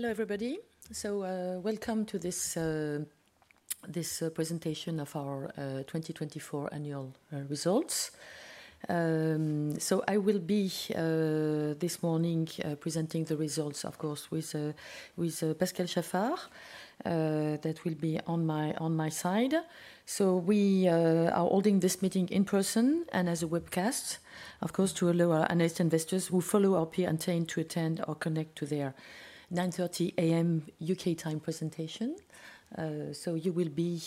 Hello everybody, so welcome to this presentation of our 2024 annual results. So I will be this morning presenting the results, of course, with Pascal Chaffard. That will be on my side. So we are holding this meeting in person and as a webcast, of course, to allow our analysts and investors who follow our PR and chain to attend or connect to their 9:30 A.M. U.K. time presentation. So you will be.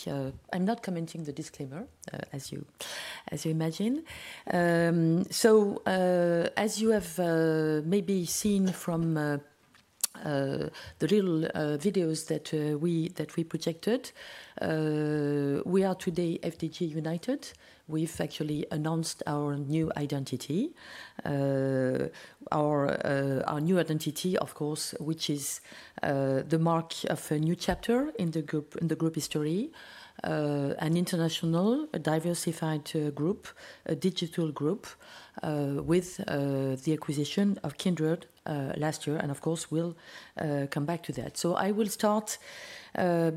I'm not commenting the disclaimer, as you imagine. So as you have maybe seen from the little videos that we projected, we are today FDJ United. We've actually announced our new identity. Our new identity, of course, which is the mark of a new chapter in the group history, an international diversified group, a digital group with the acquisition of Kindred last year, and of course, we'll come back to that. I will start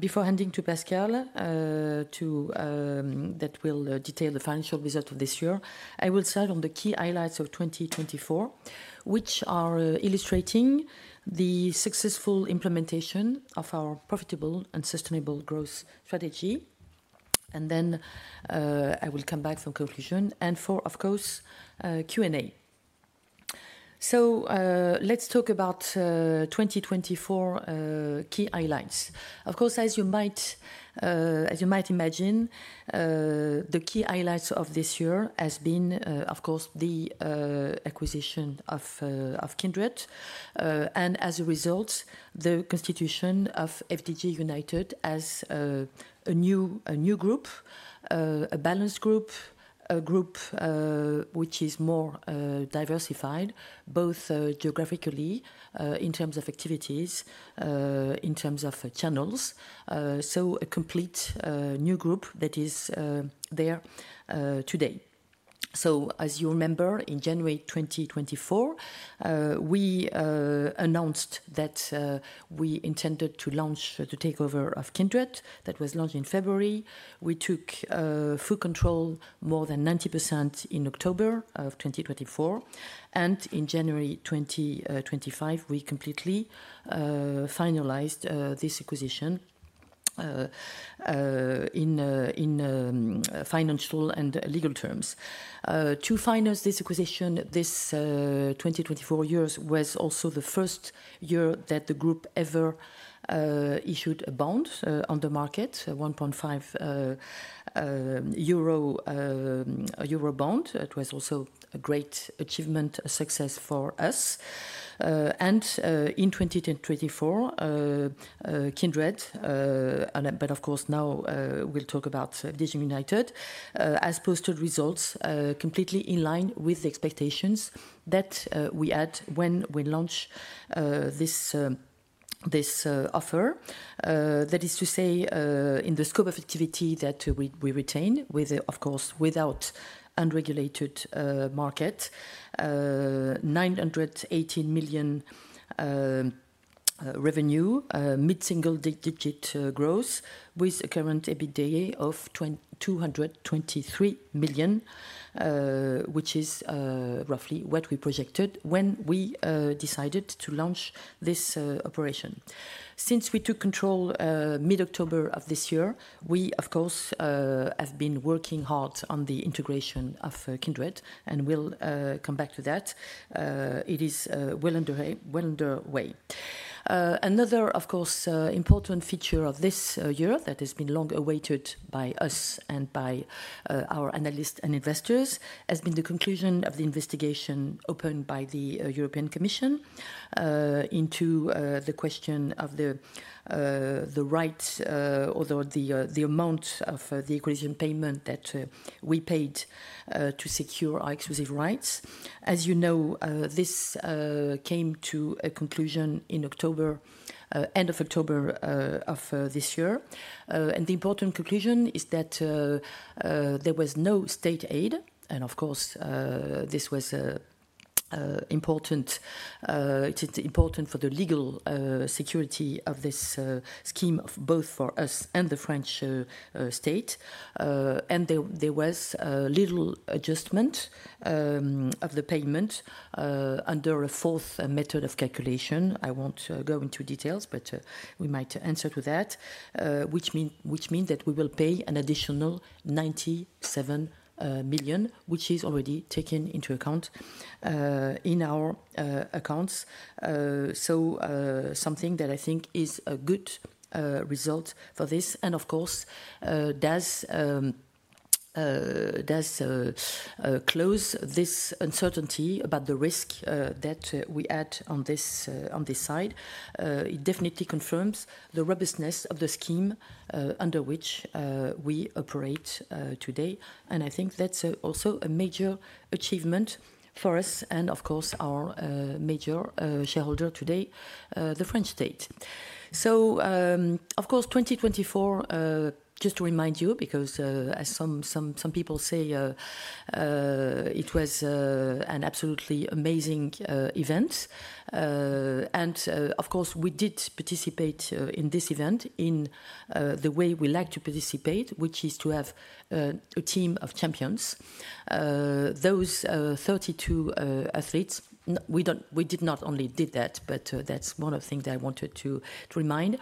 before handing over to Pascal, who will detail the financial results of this year. I will start on the key highlights of 2024, which are illustrating the successful implementation of our profitable and sustainable growth strategy. And then I will come back for conclusion and for, of course, Q&A. So let's talk about 2024 key highlights. Of course, as you might imagine, the key highlights of this year have been, of course, the acquisition of Kindred and as a result, the constitution of FDJ United as a new group, a balanced group, a group which is more diversified, both geographically in terms of activities, in terms of channels. So a complete new group that is there today. So as you remember, in January 2024, we announced that we intended to launch the takeover of Kindred. That was launched in February. We took full control of more than 90% in October of 2024. And in January 2025, we completely finalized this acquisition in financial and legal terms. To finance this acquisition, this 2024 year was also the first year that the group ever issued a bond on the market, a 1.5 billion euro bond. It was also a great achievement, a success for us. And in 2024, Kindred, but of course now we'll talk about FDJ United, has posted results completely in line with the expectations that we had when we launched this offer. That is to say, in the scope of activity that we retain with, of course, without unregulated market, 918 million revenue, mid-single digit growth with a current EBITDA of 223 million, which is roughly what we projected when we decided to launch this operation. Since we took control mid-October of this year, we, of course, have been working hard on the integration of Kindred and we'll come back to that. It is well underway. Another, of course, important feature of this year that has been long awaited by us and by our analysts and investors has been the conclusion of the investigation opened by the European Commission into the question of the rights, although the amount of the acquisition payment that we paid to secure our exclusive rights. As you know, this came to a conclusion in October, end of October of this year, and the important conclusion is that there was no state aid, and of course, this was important. It is important for the legal security of this scheme both for us and the French state, and there was a little adjustment of the payment under a fourth method of calculation. I won't go into details, but we might answer to that, which means that we will pay an additional 97 million, which is already taken into account in our accounts. So something that I think is a good result for this. And of course, does close this uncertainty about the risk that we had on this side. It definitely confirms the robustness of the scheme under which we operate today. And I think that's also a major achievement for us and of course our major shareholder today, the French state. So of course, 2024, just to remind you, because as some people say, it was an absolutely amazing event. And of course, we did participate in this event in the way we like to participate, which is to have a team of champions. Those 32 athletes, we did not only did that, but that's one of the things that I wanted to remind.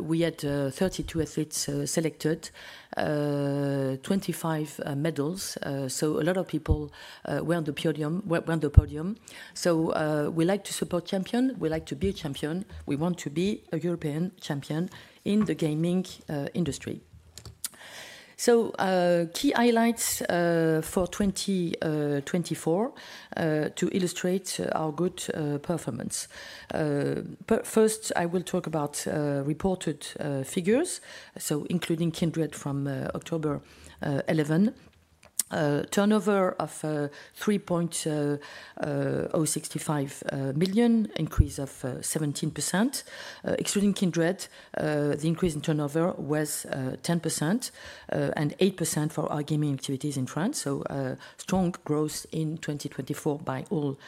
We had 32 athletes selected, 25 medals. So a lot of people were on the podium. So we like to support champions. We like to be a champion. We want to be a European champion in the gaming industry. So key highlights for 2024 to illustrate our good performance. First, I will talk about reported figures, so including Kindred from October 11. Turnover of 3.065 million, increase of 17%. Excluding Kindred, the increase in turnover was 10% and 8% for our gaming activities in France. So strong growth in 2024 by all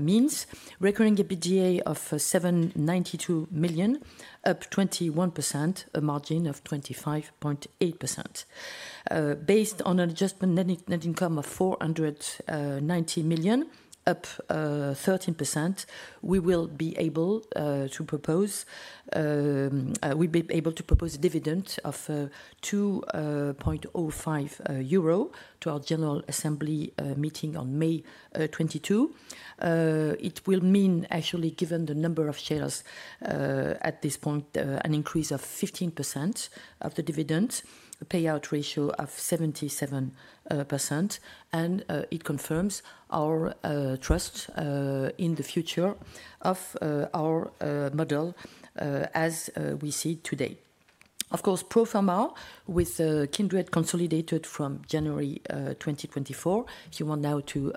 means. Recurring EBITDA of 792 million, up 21%, a margin of 25.8%. Based on an Adjusted Net Income of 490 million EUR, up 13%, we will be able to propose a dividend of 2.05 euro to our General Assembly meeting on May 22. It will mean, actually, given the number of shares at this point, an increase of 15% of the dividend, a payout ratio of 77%, and it confirms our trust in the future of our model as we see today. Of course, Pro Forma with Kindred consolidated from January 2024, if you want now to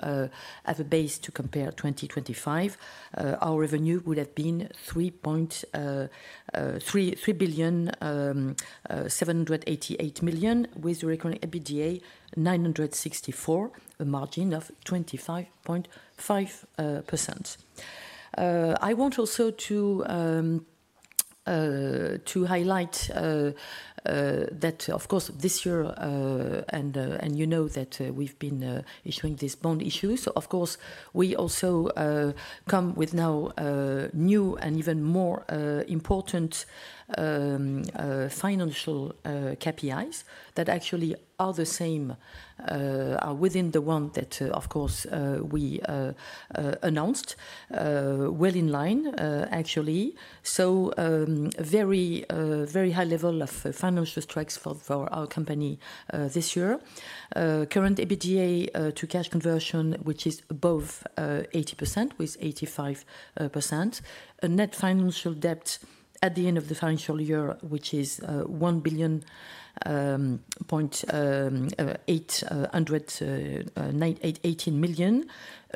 have a base to compare 2025, our revenue would have been 3.3 billion EUR, 788 million EUR with the Recurring EBITDA 964 million EUR, a margin of 25.5%. I want also to highlight that, of course, this year, and you know that we've been issuing this bond issue. Of course, we also come with now new and even more important financial KPIs that actually are the same, are within the one that, of course, we announced, well in line, actually. Very high level of financial strength for our company this year. Current EBITDA to cash conversion, which is both 80% with 85%. A net financial debt at the end of the financial year, which is 1.818 billion. A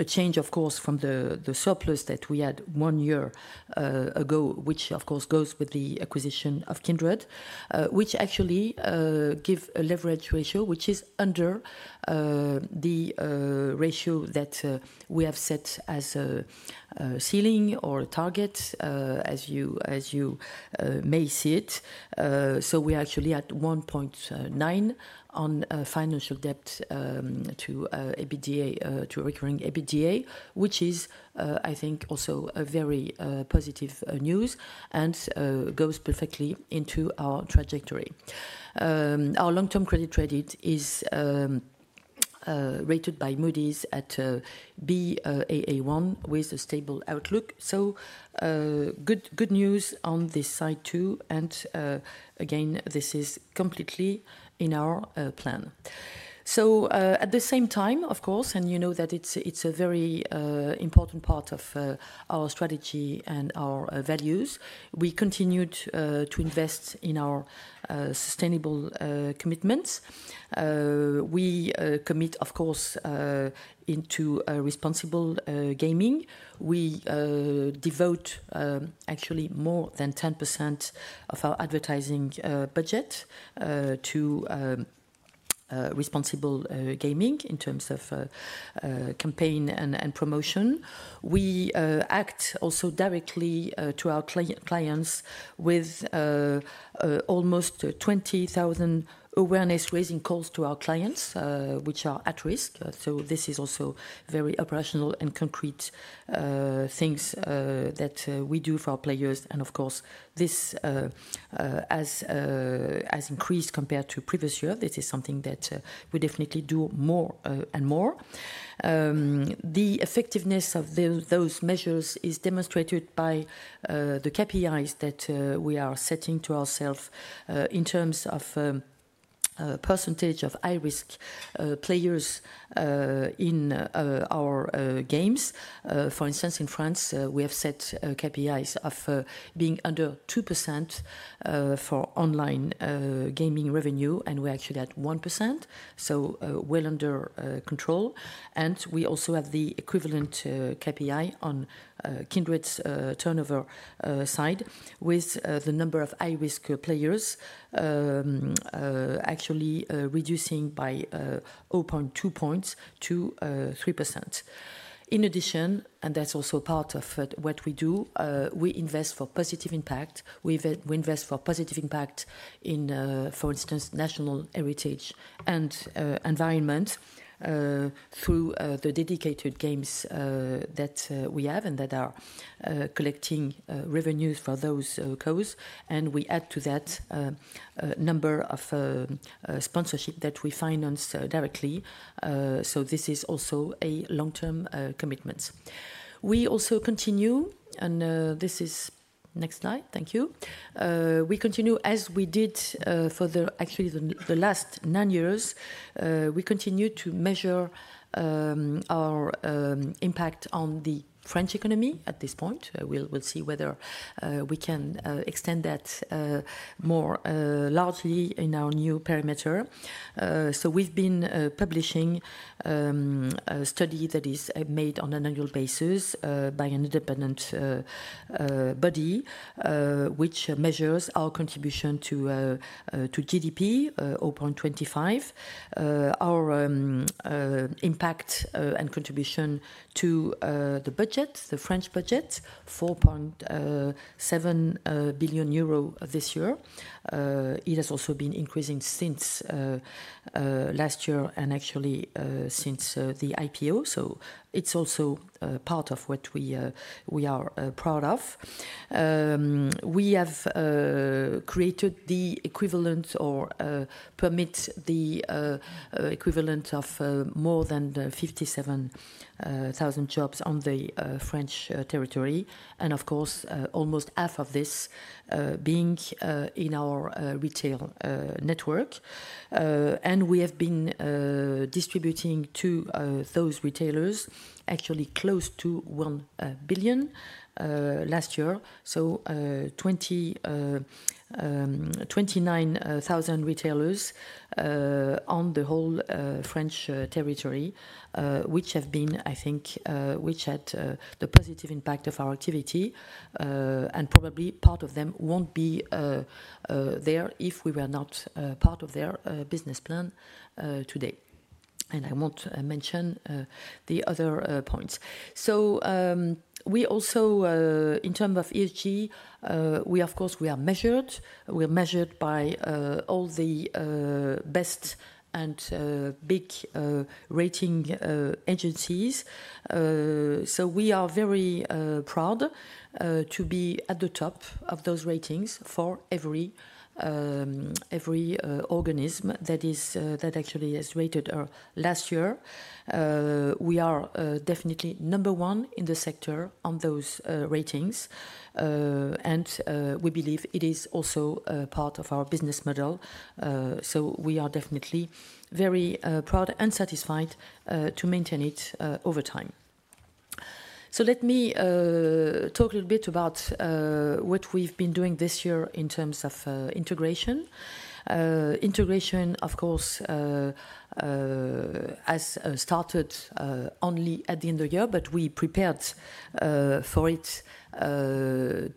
change, of course, from the surplus that we had one year ago, which of course goes with the acquisition of Kindred, which actually gives a leverage ratio, which is under the ratio that we have set as a ceiling or target, as you may see it. We are actually at 1.9 on financial debt to EBITDA, to recurring EBITDA, which is, I think, also very positive news and goes perfectly into our trajectory. Our long-term credit rating is rated by Moody's at Baa1 with a stable outlook. So good news on this side too. And again, this is completely in our plan. So at the same time, of course, and you know that it's a very important part of our strategy and our values, we continued to invest in our sustainable commitments. We commit, of course, into responsible gaming. We devote actually more than 10% of our advertising budget to responsible gaming in terms of campaign and promotion. We act also directly to our clients with almost 20,000 awareness raising calls to our clients, which are at risk. So this is also very operational and concrete things that we do for our players. And of course, this has increased compared to previous year. This is something that we definitely do more and more. The effectiveness of those measures is demonstrated by the KPIs that we are setting to ourselves in terms of percentage of high-risk players in our games. For instance, in France, we have set KPIs of being under two% for online gaming revenue, and we're actually at one%. So well under control, and we also have the equivalent KPI on Kindred's turnover side with the number of high-risk players actually reducing by 0.2 points to three%. In addition, and that's also part of what we do, we invest for positive impact. We invest for positive impact in, for instance, national heritage and environment through the dedicated games that we have and that are collecting revenues for those causes. And we add to that number of sponsorships that we finance directly, so this is also a long-term commitment. We also continue, and this is next slide. Thank you. We continue as we did for the last nine years. We continue to measure our impact on the French economy at this point. We'll see whether we can extend that more largely in our new perimeter, so we've been publishing a study that is made on an annual basis by an independent body, which measures our contribution to GDP, 0.25, our impact and contribution to the budget, the French budget, 4.7 billion euro this year. It has also been increasing since last year and actually since the IPO, so it's also part of what we are proud of. We have created the equivalent or permitted the equivalent of more than 57,000 jobs on the French territory, and of course, almost half of this being in our retail network, and we have been distributing to those retailers actually close to 1 billion last year. So, 29,000 retailers on the whole French territory, which, I think, had the positive impact of our activity. And probably part of them won't be there if we were not part of their business plan today. And I won't mention the other points. So we also, in terms of ESG, we, of course, are measured by all the best and big rating agencies. So we are very proud to be at the top of those ratings for every organization that actually has rated last year. We are definitely number one in the sector on those ratings. And we believe it is also part of our business model. So we are definitely very proud and satisfied to maintain it over time. So let me talk a little bit about what we've been doing this year in terms of integration. Integration, of course, has started only at the end of the year, but we prepared for it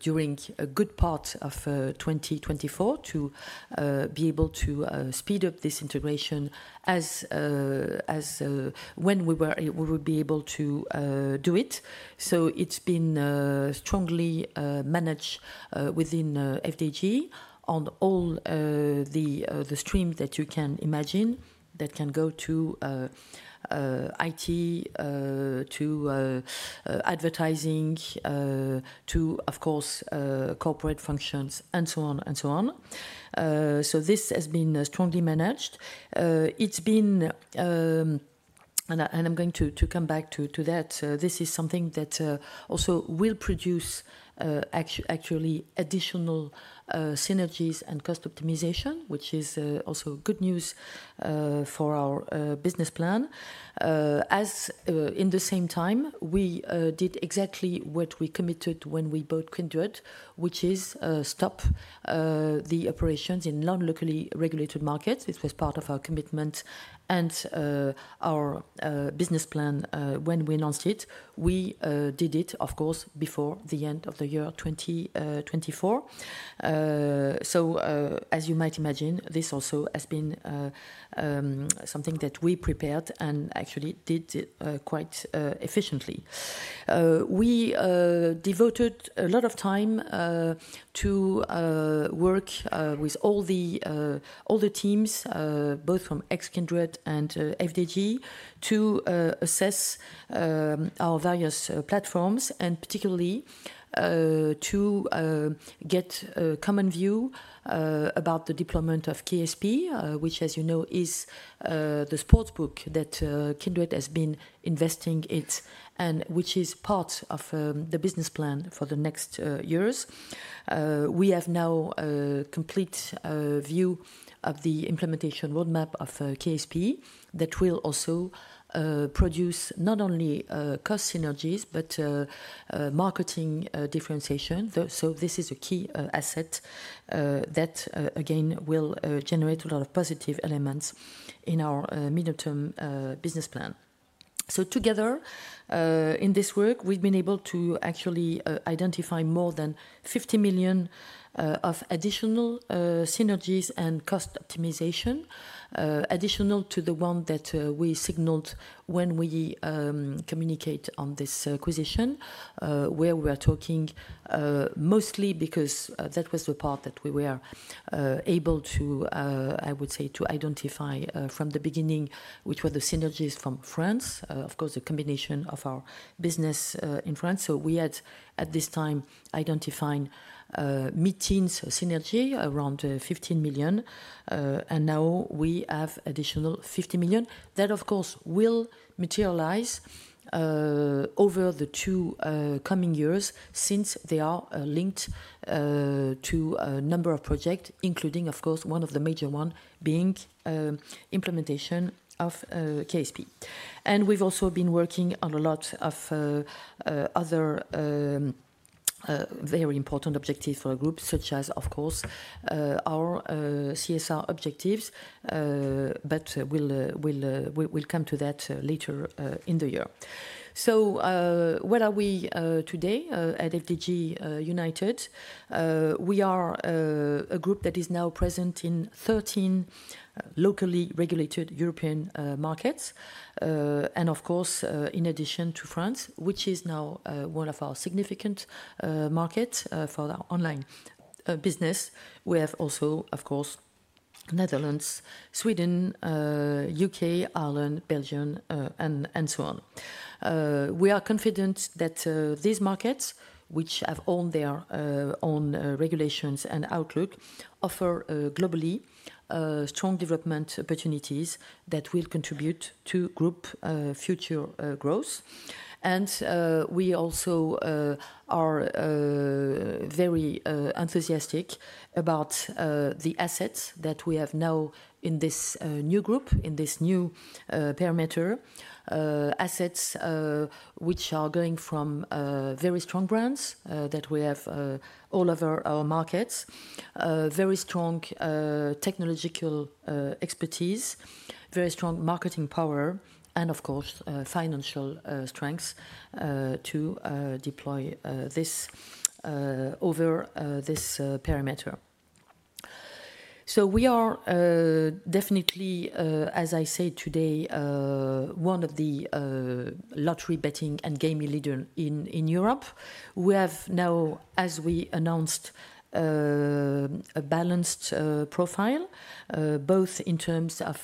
during a good part of 2024 to be able to speed up this integration as when we would be able to do it. So it's been strongly managed within FDJ on all the streams that you can imagine that can go to IT, to advertising, to, of course, corporate functions, and so on and so on. So this has been strongly managed. It's been, and I'm going to come back to that. This is something that also will produce actually additional synergies and cost optimization, which is also good news for our business plan. At the same time, we did exactly what we committed when we bought Kindred, which is stop the operations in non-locally regulated markets. It was part of our commitment and our business plan when we announced it. We did it, of course, before the end of the year 2024, so as you might imagine, this also has been something that we prepared and actually did quite efficiently. We devoted a lot of time to work with all the teams, both from ex-Kindred and FDJ, to assess our various platforms and particularly to get a common view about the deployment of KSP, which, as you know, is the sportsbook that Kindred has been investing in and which is part of the business plan for the next years. We have now a complete view of the implementation roadmap of KSP that will also produce not only cost synergies but marketing differentiation, so this is a key asset that, again, will generate a lot of positive elements in our midterm business plan. So, together in this work, we've been able to actually identify more than 50 million of additional synergies and cost optimization, additional to the one that we signaled when we communicated on this acquisition, where we are talking mostly because that was the part that we were able to, I would say, to identify from the beginning, which were the synergies from France, of course, the combination of our business in France. So we had, at this time, identifying meetings synergy around 15 million. And now we have additional 50 million. That, of course, will materialize over the two coming years since they are linked to a number of projects, including, of course, one of the major ones being implementation of KSP. And we've also been working on a lot of other very important objectives for the group, such as, of course, our CSR objectives. We'll come to that later in the year. Where are we today at FDJ United? We are a group that is now present in 13 locally regulated European markets. Of course, in addition to France, which is now one of our significant markets for our online business, we have also, of course, Netherlands, Sweden, U.K., Ireland, Belgium, and so on. We are confident that these markets, which have all their own regulations and outlook, offer globally strong development opportunities that will contribute to group future growth. We also are very enthusiastic about the assets that we have now in this new group, in this new perimeter, assets which are going from very strong brands that we have all over our markets, very strong technological expertise, very strong marketing power, and of course, financial strengths to deploy this over this perimeter. So we are definitely, as I say today, one of the lottery betting and gaming leaders in Europe. We have now, as we announced, a balanced profile, both in terms of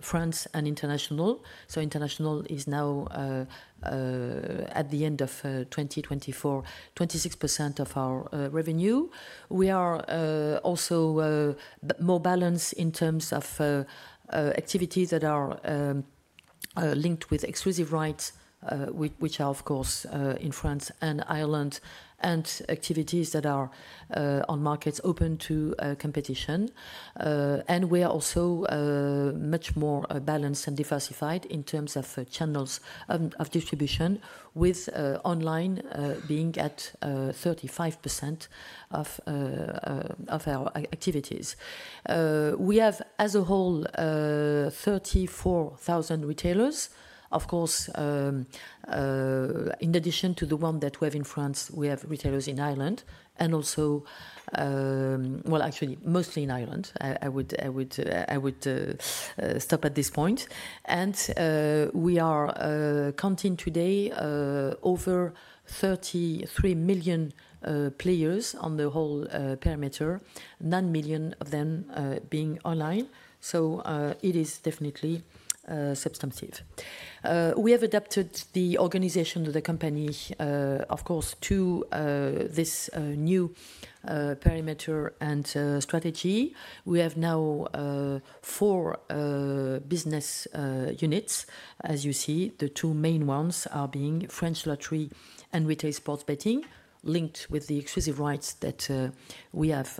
France and international. So international is now at the end of 2024, 26% of our revenue. We are also more balanced in terms of activities that are linked with exclusive rights, which are, of course, in France and Ireland, and activities that are on markets open to competition. And we are also much more balanced and diversified in terms of channels of distribution, with online being at 35% of our activities. We have, as a whole, 34,000 retailers. Of course, in addition to the one that we have in France, we have retailers in Ireland and also, well, actually mostly in Ireland. I would stop at this point. And we are counting today over 33 million players on the whole perimeter, nine million of them being online. So it is definitely substantive. We have adapted the organization of the company, of course, to this new perimeter and strategy. We have now four business units. As you see, the two main ones are being French lottery and retail sports betting, linked with the exclusive rights that we have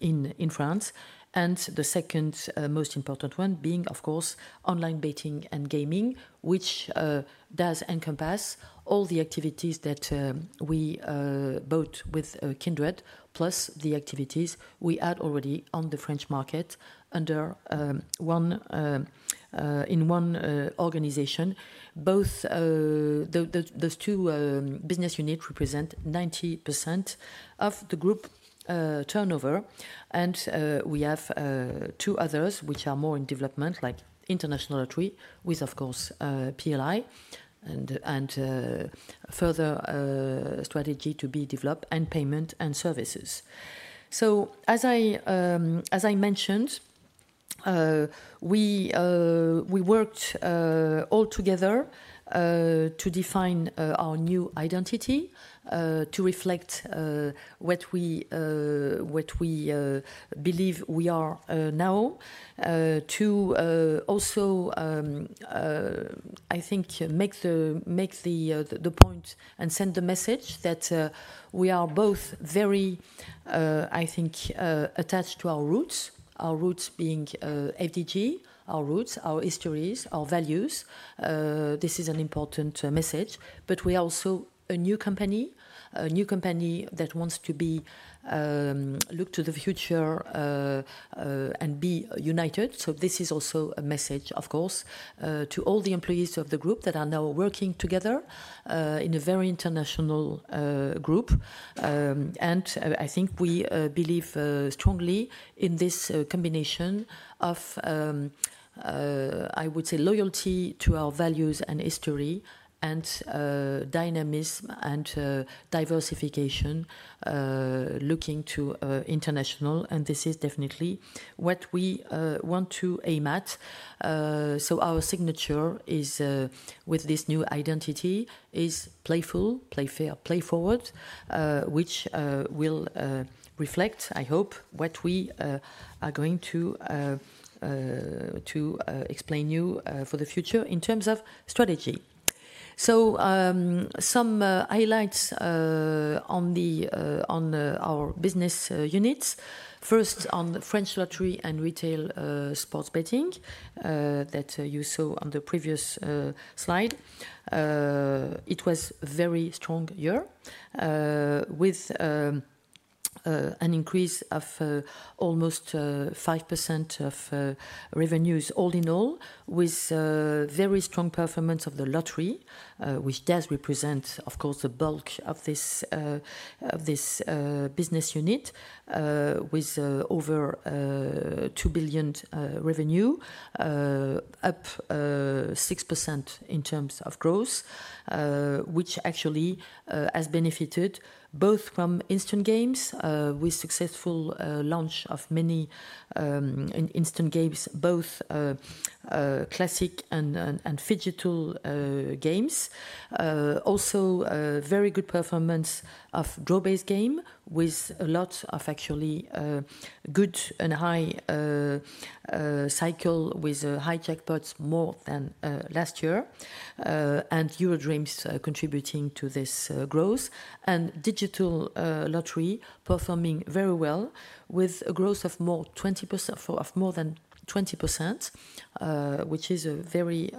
in France. And the second most important one being, of course, online betting and gaming, which does encompass all the activities that we bought with Kindred, plus the activities we had already on the French market in one organization. Both those two business units represent 90% of the group turnover. And we have two others which are more in development, like international lottery with, of course, PLI and further strategy to be developed and payment and services. So, as I mentioned, we worked all together to define our new identity, to reflect what we believe we are now, to also, I think, make the point and send the message that we are both very, I think, attached to our roots, our roots being FDJ, our roots, our histories, our values. This is an important message. But we are also a new company, a new company that wants to be looked to the future and be united. So this is also a message, of course, to all the employees of the group that are now working together in a very international group. And I think we believe strongly in this combination of, I would say, loyalty to our values and history and dynamism and diversification, looking to international. And this is definitely what we want to aim at. So our signature with this new identity is playful, playful, which will reflect, I hope, what we are going to explain to you for the future in terms of strategy. So some highlights on our business units, first on French lottery and retail sports betting that you saw on the previous slide. It was a very strong year with an increase of almost 5% of revenues all in all, with very strong performance of the lottery, which does represent, of course, the bulk of this business unit, with over €2 billion revenue, up 6% in terms of growth, which actually has benefited both from instant games with successful launch of many instant games, both classic and phygital games. Also, very good performance of draw-based game with a lot of actually good and high cycle with high jackpots more than last year. And EuroDreams contributing to this growth and digital lottery performing very well with a growth of more than 20%, which is a very,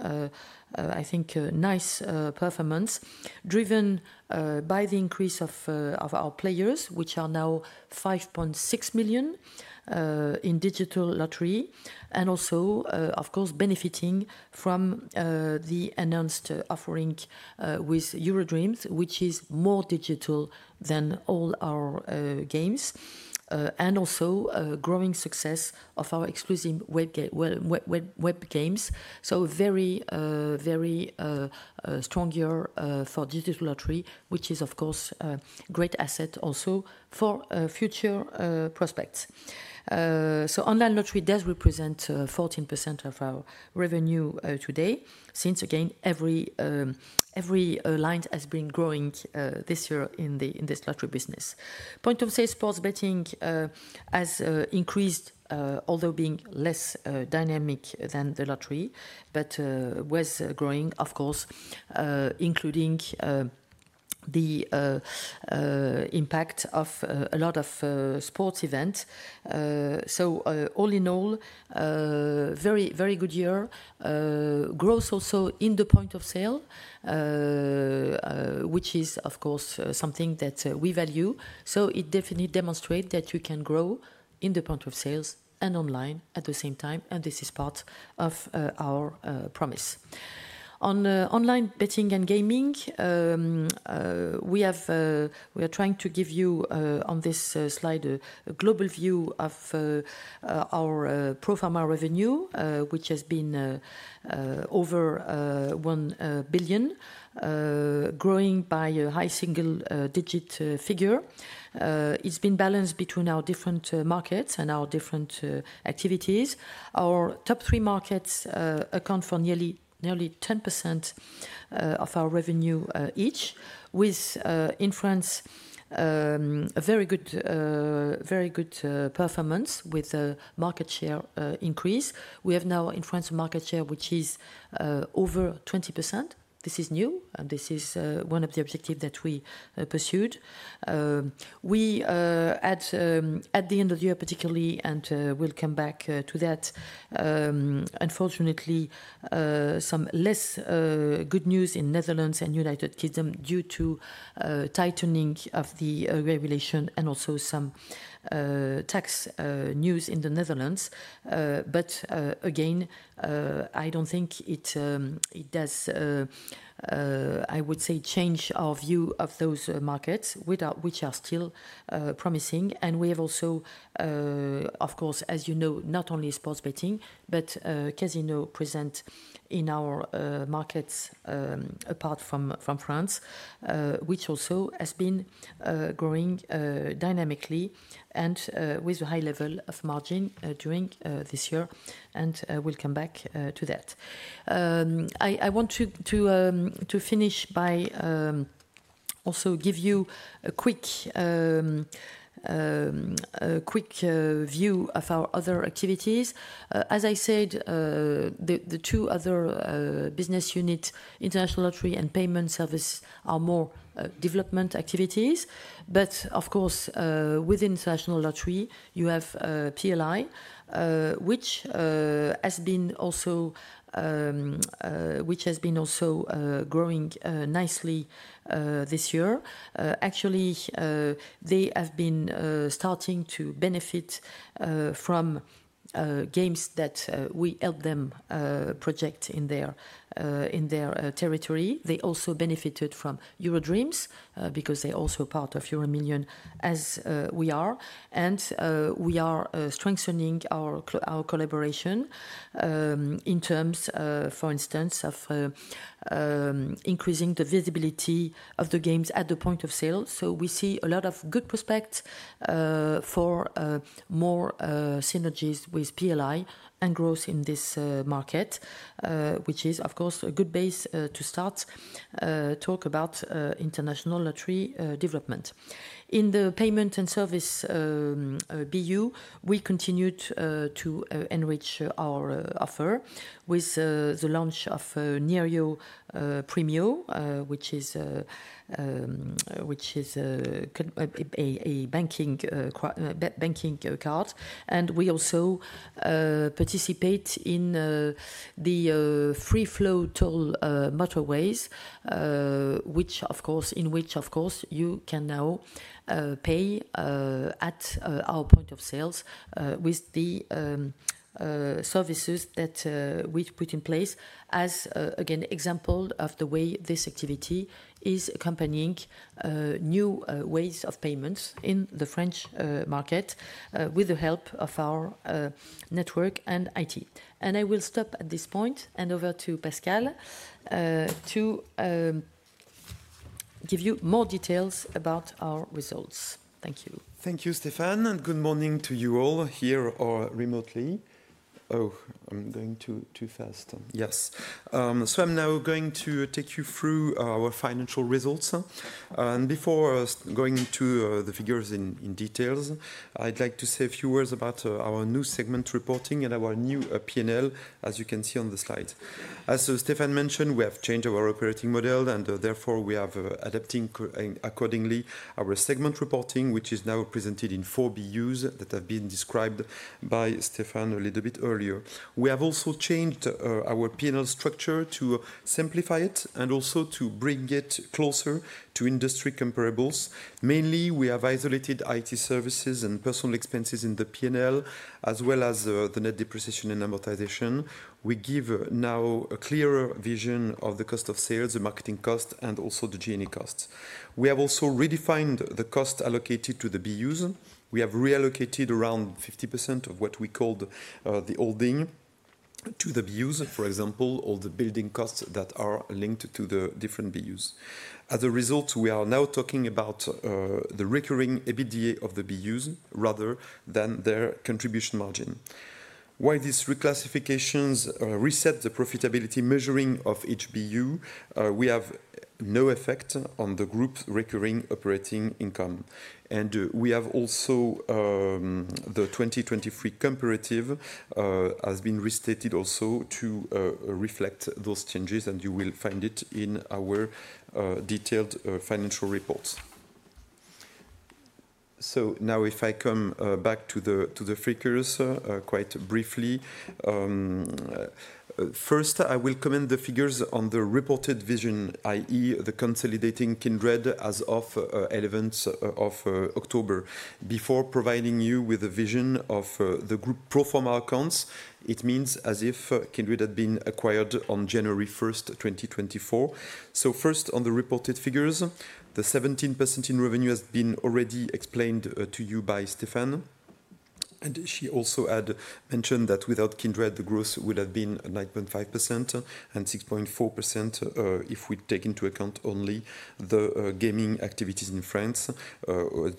I think, nice performance driven by the increase of our players, which are now 5.6 million in digital lottery, and also, of course, benefiting from the announced offering with EuroDreams, which is more digital than all our games, and also growing success of our exclusive web games. So very, very strong year for digital lottery, which is, of course, a great asset also for future prospects. So online lottery does represent 14% of our revenue today since, again, every line has been growing this year in this lottery business. Parions Sport, sports betting has increased, although being less dynamic than the lottery, but was growing, of course, including the impact of a lot of sports events. So all in all, very, very good year. Growth also in the point of sale, which is, of course, something that we value, so it definitely demonstrates that you can grow in the point of sales and online at the same time, and this is part of our promise. On online betting and gaming, we are trying to give you on this slide a global view of our profile revenue, which has been over 1 billion, growing by a high single-digit figure. It's been balanced between our different markets and our different activities. Our top three markets account for nearly 10% of our revenue each, with in France a very good performance with market share increase. We have now in France a market share which is over 20%. This is new. This is one of the objectives that we pursued. We had at the end of the year, particularly, and we'll come back to that, unfortunately, some less good news in Netherlands and United Kingdom due to tightening of the regulation and also some tax news in the Netherlands, but again, I don't think it does, I would say, change our view of those markets, which are still promising, and we have also, of course, as you know, not only sports betting, but casino present in our markets apart from France, which also has been growing dynamically and with a high level of margin during this year, and we'll come back to that. I want to finish by also giving you a quick view of our other activities. As I said, the two other business units, international lottery and payment service, are more development activities. Of course, within international lottery, you have PLI, which has been also growing nicely this year. Actually, they have been starting to benefit from games that we help them project in their territory. They also benefited from EuroDreams because they are also part of EuroMillions as we are. We are strengthening our collaboration in terms, for instance, of increasing the visibility of the games at the point of sale. We see a lot of good prospects for more synergies with PLI and growth in this market, which is, of course, a good base to start talk about international lottery development. In the payment and service BU, we continued to enrich our offer with the launch of Nirio Premio, which is a banking card. And we also participate in the free flow toll motorways, which, of course, you can now pay at our point of sales with the services that we put in place as, again, example of the way this activity is accompanying new ways of payments in the French market with the help of our network and IT. And I will stop at this point and over to Pascal to give you more details about our results. Thank you. Thank you, Stéphane. And good morning to you all here or remotely. Oh, I'm going too fast. Yes. So I'm now going to take you through our financial results. And before going into the figures in details, I'd like to say a few words about our new segment reporting and our new P&L, as you can see on the slides. As Stéphane mentioned, we have changed our operating model, and therefore we are adapting accordingly our segment reporting, which is now presented in four BUs that have been described by Stéphane a little bit earlier. We have also changed our P&L structure to simplify it and also to bring it closer to industry comparables. Mainly, we have isolated IT services and personnel expenses in the P&L, as well as the net depreciation and amortization. We give now a clearer vision of the cost of sales, the marketing cost, and also the G&A costs. We have also redefined the cost allocated to the BUs. We have reallocated around 50% of what we called the holding to the BUs, for example, all the building costs that are linked to the different BUs. As a result, we are now talking about the recurring EBITDA of the BUs rather than their contribution margin. While these reclassifications reset the profitability measuring of each BU, we have no effect on the group recurring operating income, and we have also the 2023 comparative has been restated also to reflect those changes, and you will find it in our detailed financial reports, so now, if I come back to the figures quite briefly, first, I will comment the figures on the reported vision, i.e., the consolidating Kindred as of 11th of October, before providing you with a vision of the group pro forma accounts. It means as if Kindred had been acquired on January 1st, 2024, so first, on the reported figures, the 17% in revenue has been already explained to you by Stéphane, and she also had mentioned that without Kindred, the growth would have been 9.5% and 6.4% if we take into account only the gaming activities in France. All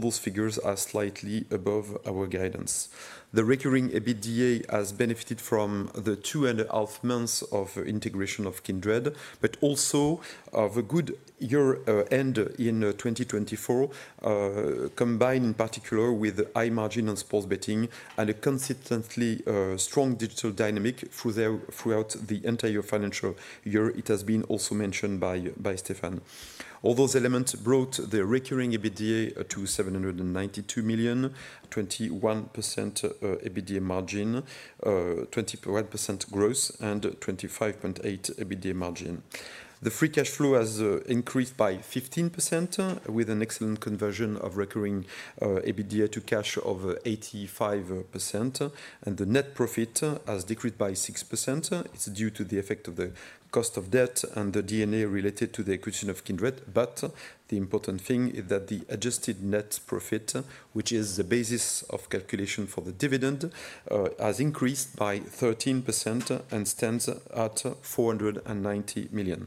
those figures are slightly above our guidance. The recurring EBITDA has benefited from the two and a half months of integration of Kindred, but also of a good year-end in 2024, combined in particular with high margin on sports betting and a consistently strong digital dynamic throughout the entire financial year. It has been also mentioned by Stéphane. All those elements brought the recurring EBITDA to 792 million, 21% EBITDA margin, 21% growth, and 25.8% EBITDA margin. The free cash flow has increased by 15% with an excellent conversion of recurring EBITDA to cash of 85%, and the net profit has decreased by 6%. It's due to the effect of the cost of debt and the PPA related to the acquisition of Kindred. But the important thing is that the adjusted net profit, which is the basis of calculation for the dividend, has increased by 13% and stands at 490 million.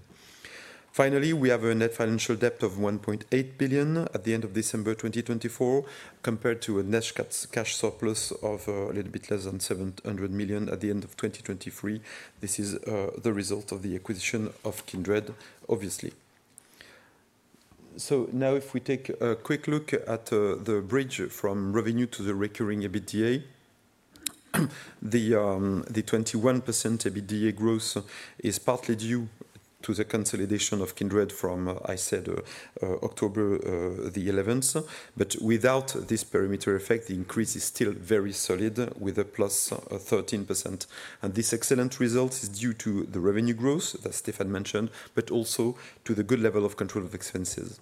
Finally, we have a net financial debt of 1.8 billion at the end of December 2024, compared to a net cash surplus of a little bit less than 700 million at the end of 2023. This is the result of the acquisition of Kindred, obviously. So now, if we take a quick look at the bridge from revenue to the recurring EBITDA, the 21% EBITDA growth is partly due to the consolidation of Kindred from, I said, October the 11th. But without this perimeter effect, the increase is still very solid with a plus 13%. And this excellent result is due to the revenue growth that Stéphane mentioned, but also to the good level of control of expenses.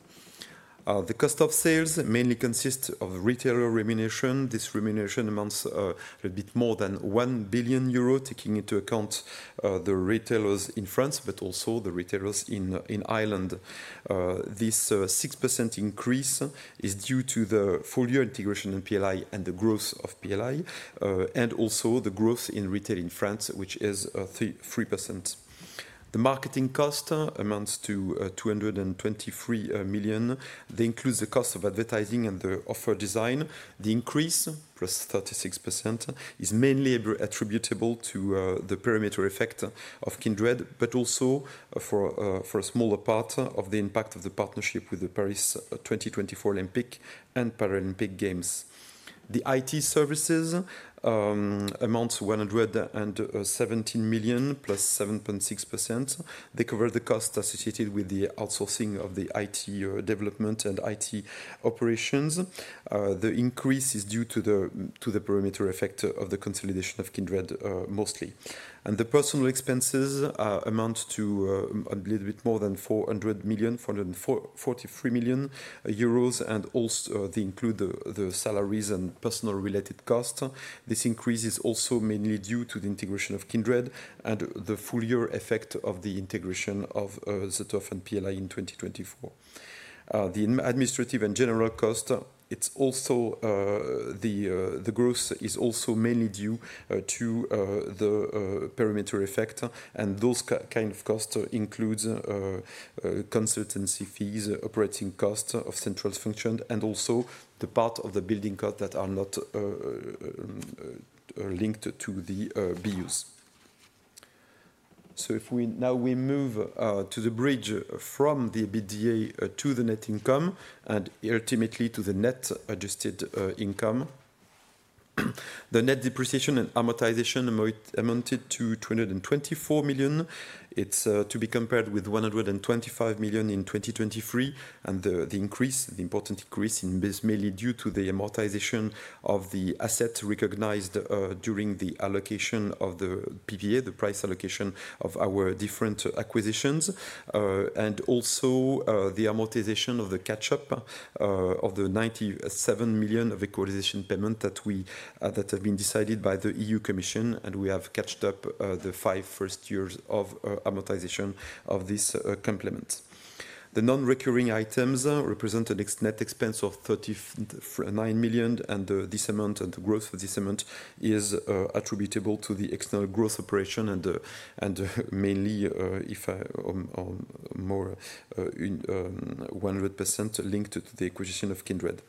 The cost of sales mainly consists of retailer remuneration. This remuneration amounts a little bit more than 1 billion euro, taking into account the retailers in France, but also the retailers in Ireland. This 6% increase is due to the full year integration in PLI and the growth of PLI, and also the growth in retail in France, which is 3%. The marketing cost amounts to 223 million. They include the cost of advertising and the offer design. The increase, plus 36%, is mainly attributable to the perimeter effect of Kindred, but also for a smaller part of the impact of the partnership with the Paris 2024 Olympic and Paralympic Games. The IT services amount to 117 million, plus 7.6%. They cover the cost associated with the outsourcing of the IT development and IT operations. The increase is due to the perimeter effect of the consolidation of Kindred, mostly. And the personnel expenses amount to a little bit more than 400 million, 443 million euros, and also they include the salaries and personnel related costs. This increase is also mainly due to the integration of Kindred and the full year effect of the integration of ZEturf and PLI in 2024. The administrative and general cost, it's also the growth is also mainly due to the perimeter effect. And those kind of costs include consultancy fees, operating costs of central function, and also the part of the building costs that are not linked to the BUs. So now we move to the bridge from the EBITDA to the net income and ultimately to the net adjusted income. The net depreciation and amortization amounted to 224 million. It's to be compared with 125 million in 2023. The increase, the important increase in this, is mainly due to the amortization of the assets recognized during the allocation of the PPA, the price allocation of our different acquisitions, and also the amortization of the catch-up of the 97 million of equalization payment that have been decided by the EU Commission. We have caught up the first five years of amortization of this complement. The non-recurring items represent a net expense of 39 million, and this amount and the growth of this amount is attributable to the external growth operation, and mainly it's more 100% linked to the acquisition of Kindred.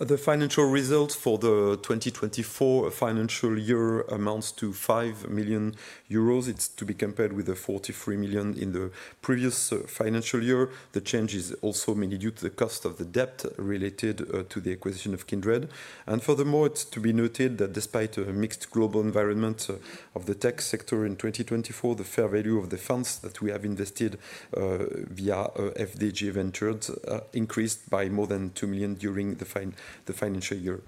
The financial result for the 2024 financial year amounts to 5 million euros. It's to be compared with the 43 million in the previous financial year. The change is also mainly due to the cost of the debt related to the acquisition of Kindred. Furthermore, it's to be noted that despite a mixed global environment of the tech sector in 2024, the fair value of the funds that we have invested via FDJ Ventures increased by more than 2 million during the financial year.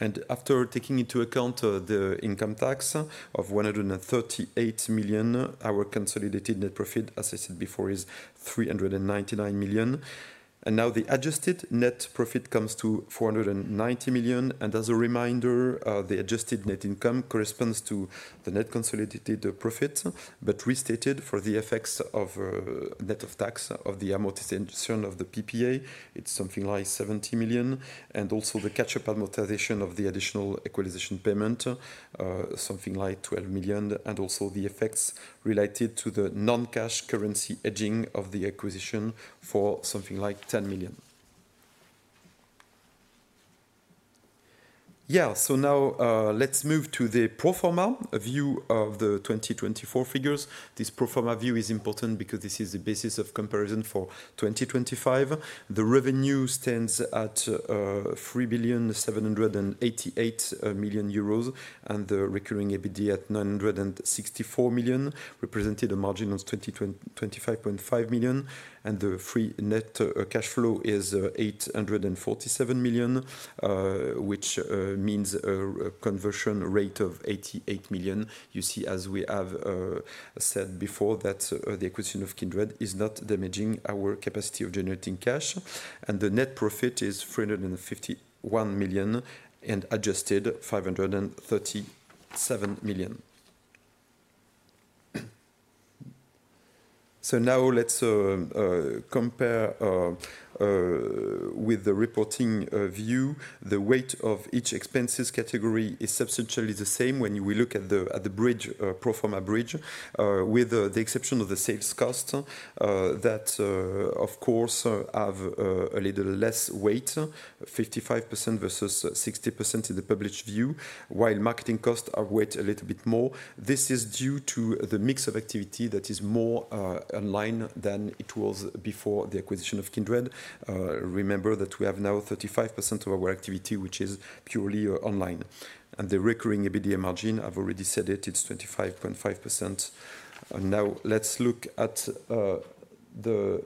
And after taking into account the income tax of 138 million, our consolidated net profit as I said before is 399 million. And now the adjusted net profit comes to 490 million. And as a reminder, the adjusted net income corresponds to the net consolidated profit, but restated for the effects of net of tax of the amortization of the PPA, it's something like 70 million. And also the catch-up amortization of the additional equalization payment, something like 12 million, and also the effects related to the non-cash currency hedging of the acquisition for something like 10 million. Yeah, so now let's move to the pro forma view of the 2024 figures. This pro forma view is important because this is the basis of comparison for 2025. The revenue stands at 3,788 million EUR, and the recurring EBITDA at 964 million represented a margin of 25.5 million. And the free net cash flow is 847 million, which means a conversion rate of 88 million. You see, as we have said before, that the acquisition of Kindred is not damaging our capacity of generating cash. And the net profit is 351 million and adjusted 537 million. So now let's compare with the reporting view. The weight of each expenses category is substantially the same when we look at the bridge, pro forma bridge, with the exception of the sales costs that, of course, have a little less weight, 55% versus 60% in the published view, while marketing costs are weighted a little bit more. This is due to the mix of activity that is more online than it was before the acquisition of Kindred. Remember that we have now 35% of our activity, which is purely online, and the recurring EBITDA margin, I've already said it, it's 25.5%. Now let's look at the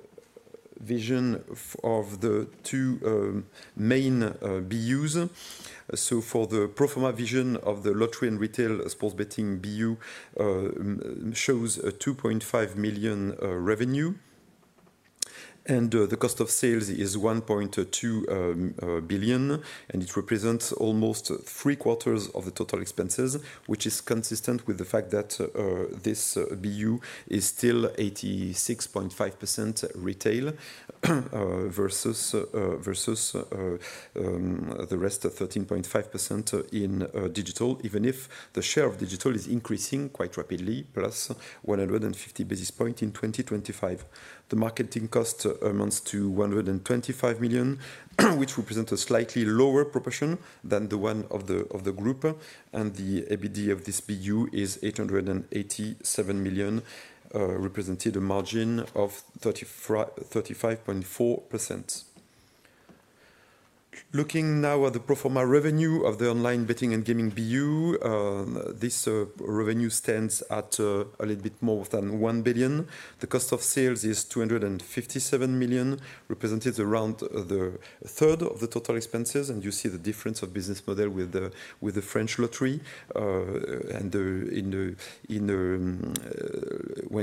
vision of the two main BUs, so for the pro forma vision of the lottery and retail sports betting BU shows 2.5 million revenue. The cost of sales is 1.2 billion, and it represents almost three quarters of the total expenses, which is consistent with the fact that this BU is still 86.5% retail versus the rest of 13.5% in digital, even if the share of digital is increasing quite rapidly, plus 150 basis points in 2025. The marketing cost amounts to 125 million, which represents a slightly lower proportion than the one of the group. The EBITDA of this BU is 887 million, representing a margin of 35.4%. Looking now at the pro forma revenue of the online betting and gaming BU, this revenue stands at a little bit more than 1 billion. The cost of sales is 257 million, represented around the third of the total expenses. You see the difference of business model with the French lottery. When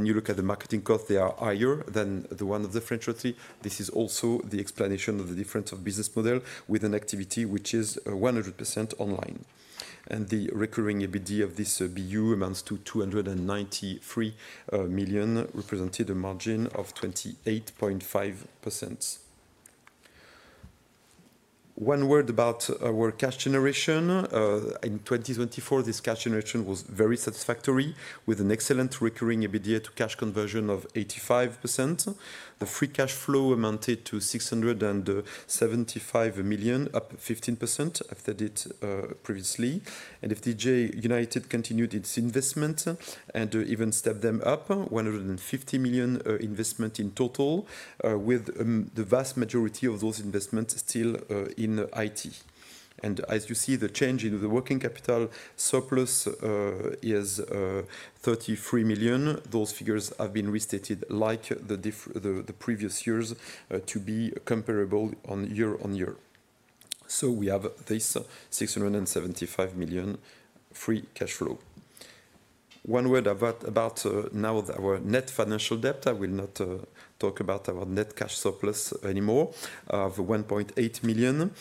you look at the marketing costs, they are higher than the one of the French lottery. This is also the explanation of the difference of business model with an activity which is 100% online. The recurring EBITDA of this BU amounts to 293 million, representing a margin of 28.5%. One word about our cash generation. In 2024, this cash generation was very satisfactory with an excellent recurring EBITDA to cash conversion of 85%. The free cash flow amounted to 675 million, up 15%, as I said it previously. FDJ United continued its investment and even stepped them up, 150 million investment in total, with the vast majority of those investments still in IT. As you see, the change in the working capital surplus is 33 million. Those figures have been restated like the previous years to be comparable year on year. We have this 675 million free cash flow. One word about now our net financial debt. I will not talk about our net cash surplus anymore. Of 1.8 billion,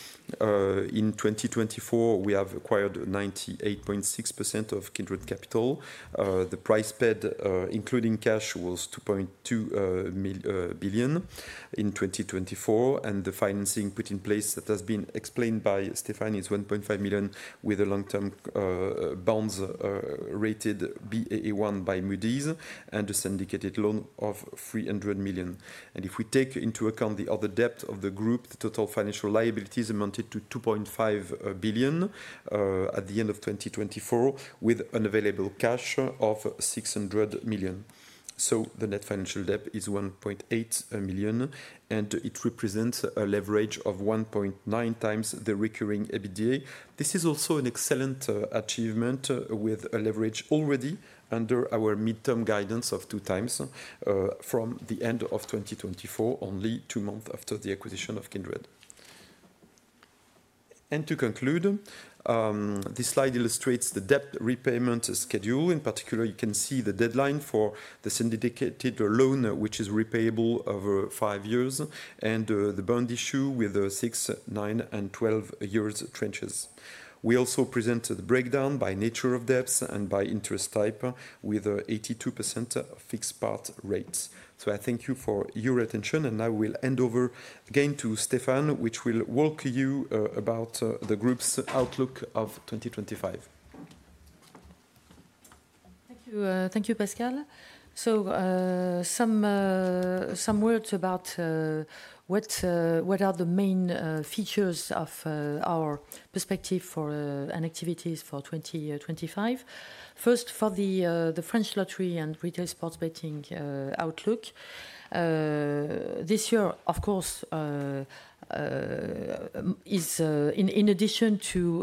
in 2024, we have acquired 98.6% of Kindred Group. The price paid, including cash, was 2.2 billion in 2024. And the financing put in place that has been explained by Stéphane is 1.5 billion with a long-term bonds rated BAA1 by Moody's and a syndicated loan of 300 million. And if we take into account the other debt of the group, the total financial liabilities amounted to 2.5 billion at the end of 2024, with available cash of 600 million. The net financial debt is 1.8 billion, and it represents a leverage of 1.9 times the recurring EBITDA. This is also an excellent achievement with a leverage already under our midterm guidance of two times from the end of 2024, only two months after the acquisition of Kindred. And to conclude, this slide illustrates the debt repayment schedule. In particular, you can see the deadline for the syndicated loan, which is repayable over five years, and the bond issue with the six, nine, and 12 years tranches. We also presented the breakdown by nature of debts and by interest type with 82% fixed part rates. So I thank you for your attention, and I will hand over again to Stéphane, which will walk you about the group's outlook of 2025. Thank you, Pascal. So some words about what are the main features of our perspective for and activities for 2025. First, for the French lottery and retail sports betting outlook, this year, of course, in addition to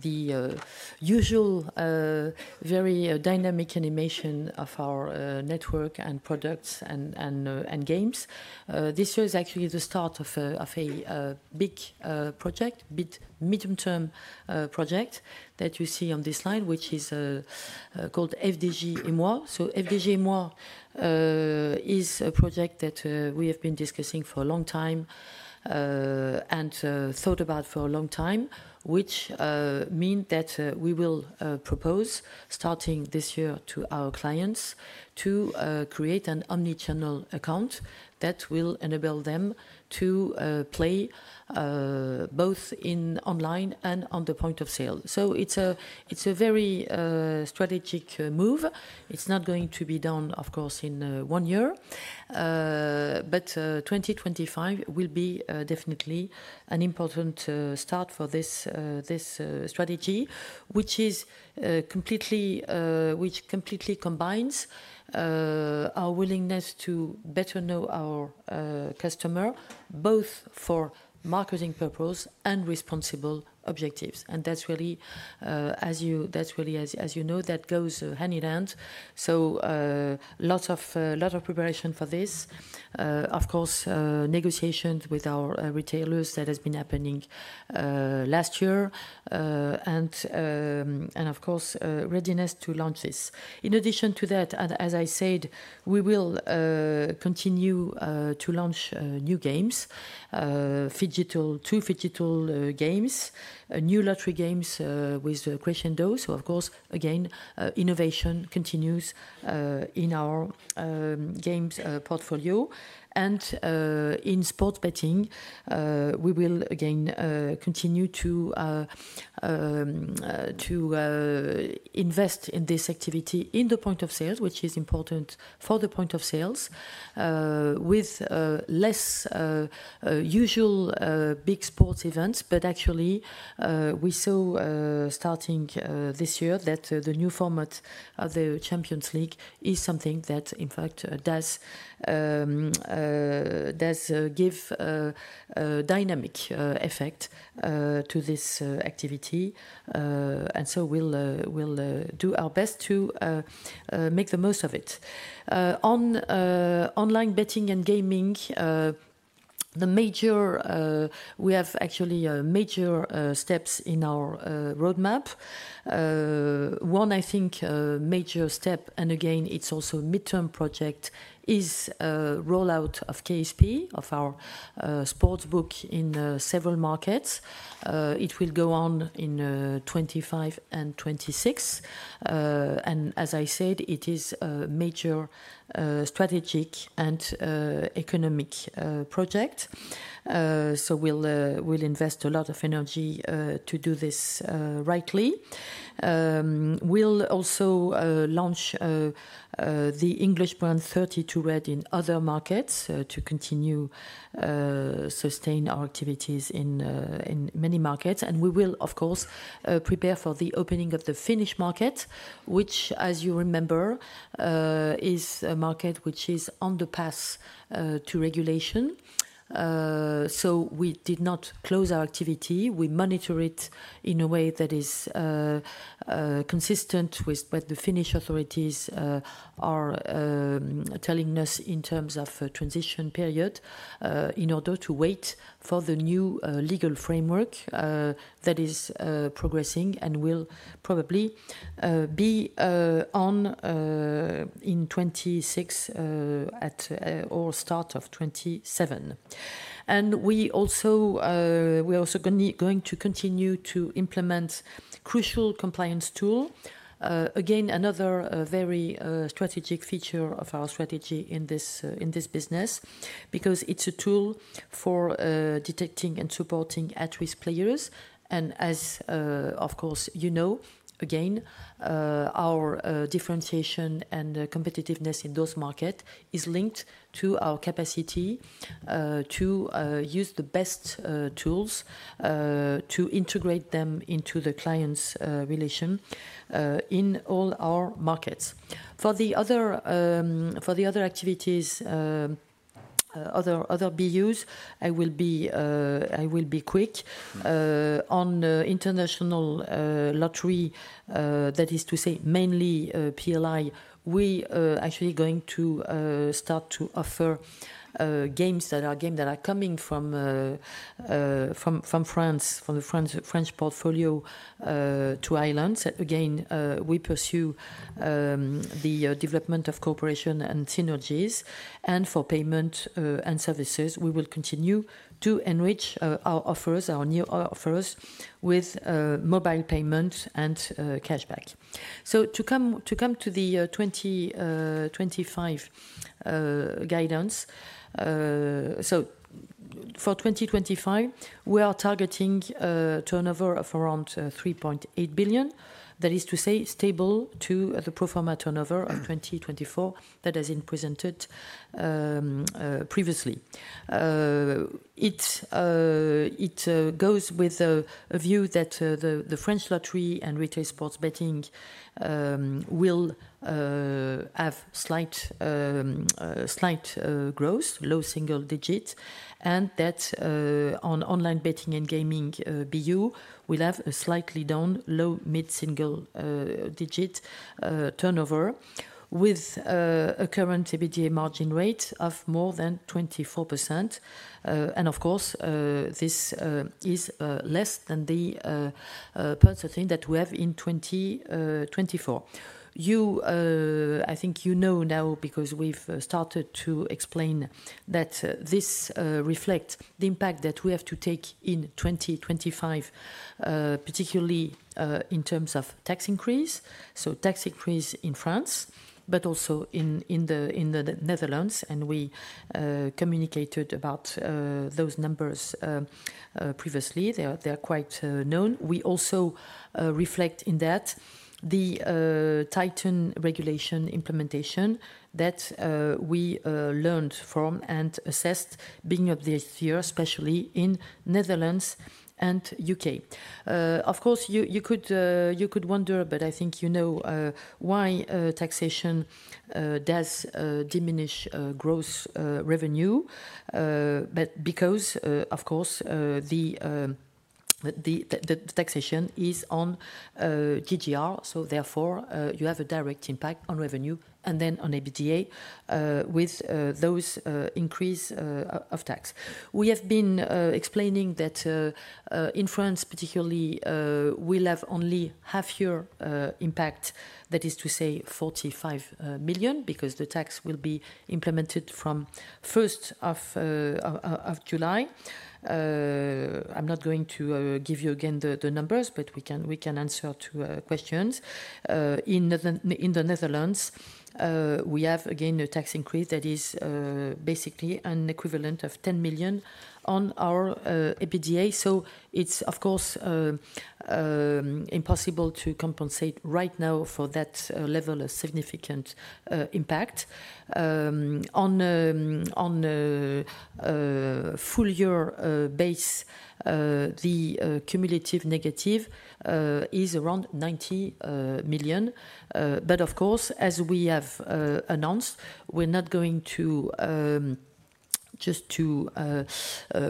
the usual very dynamic animation of our network and products and games, this year is actually the start of a big project, midterm project that you see on this slide, which is called FDJ & Moi. So FDJ & Moi is a project that we have been discussing for a long time and thought about for a long time, which means that we will propose, starting this year to our clients, to create an omnichannel account that will enable them to play both online and on the point of sale. So it's a very strategic move. It's not going to be done, of course, in one year, but 2025 will be definitely an important start for this strategy, which completely combines our willingness to better know our customer, both for marketing purposes and responsible objectives. That's really, as you know, that goes hand in hand. Lots of preparation for this. Of course, negotiations with our retailers that have been happening last year, and of course, readiness to launch this. In addition to that, as I said, we will continue to launch new games, two phygital games, new lottery games with the crescendo. Of course, again, innovation continues in our games portfolio. In sports betting, we will again continue to invest in this activity in the point of sale, which is important for the point of sale, with less usual big sports events. Actually, we saw starting this year that the new format of the Champions League is something that, in fact, does give a dynamic effect to this activity. We'll do our best to make the most of it. On online betting and gaming, we have actually major steps in our roadmap. One, I think, major step, and again, it's also a midterm project, is rollout of KSP, of our sportsbook in several markets. It will go on in 2025 and 2026, and as I said, it is a major strategic and economic project, so we'll invest a lot of energy to do this rightly. We'll also launch the English brand 32Red in other markets to continue to sustain our activities in many markets. And we will, of course, prepare for the opening of the Finnish market, which, as you remember, is a market which is on the path to regulation, so we did not close our activity. We monitor it in a way that is consistent with what the Finnish authorities are telling us in terms of transition period in order to wait for the new legal framework that is progressing and will probably be on in 2026 at or start of 2027, and we are also going to continue to implement a crucial compliance tool. Again, another very strategic feature of our strategy in this business, because it's a tool for detecting and supporting at-risk players. As, of course, you know, again, our differentiation and competitiveness in those markets is linked to our capacity to use the best tools to integrate them into the client's relation in all our markets. For the other activities, other BUs, I will be quick. On international lottery, that is to say mainly PLI, we are actually going to start to offer games that are coming from France, from the French portfolio to Ireland. Again, we pursue the development of cooperation and synergies. For payment and services, we will continue to enrich our offers, our new offers, with mobile payments and cashback. To come to the 2025 guidance, for 2025, we are targeting a turnover of around 3.8 billion. That is to say stable to the pro forma turnover of 2024 that has been presented previously. It goes with a view that the French lottery and retail sports betting will have slight growth, low single digit, and that on online betting and gaming BU, we'll have a slightly down low mid single digit turnover with a current EBITDA margin rate of more than 24%. Of course, this is less than the percentage that we have in 2024. I think you know now, because we've started to explain, that this reflects the impact that we have to take in 2025, particularly in terms of tax increase. Tax increase in France, but also in the Netherlands. We communicated about those numbers previously. They are quite known. We also reflect in that the Titan regulation implementation that we learned from and assessed being of this year, especially in Netherlands and U.K. Of course, you could wonder, but I think you know why taxation does diminish gross revenue. Because, of course, the taxation is on GGR. Therefore, you have a direct impact on revenue and then on EBITDA with those increases of tax. We have been explaining that in France, particularly, we'll have only half-year impact. That is to say 45 million, because the tax will be implemented from 1st of July. I'm not going to give you again the numbers, but we can answer to questions. In the Netherlands, we have again a tax increase that is basically an equivalent of 10 million on our EBITDA. So it's, of course, impossible to compensate right now for that level of significant impact. On full-year basis, the cumulative negative is around 90 million. But of course, as we have announced, we're not going to just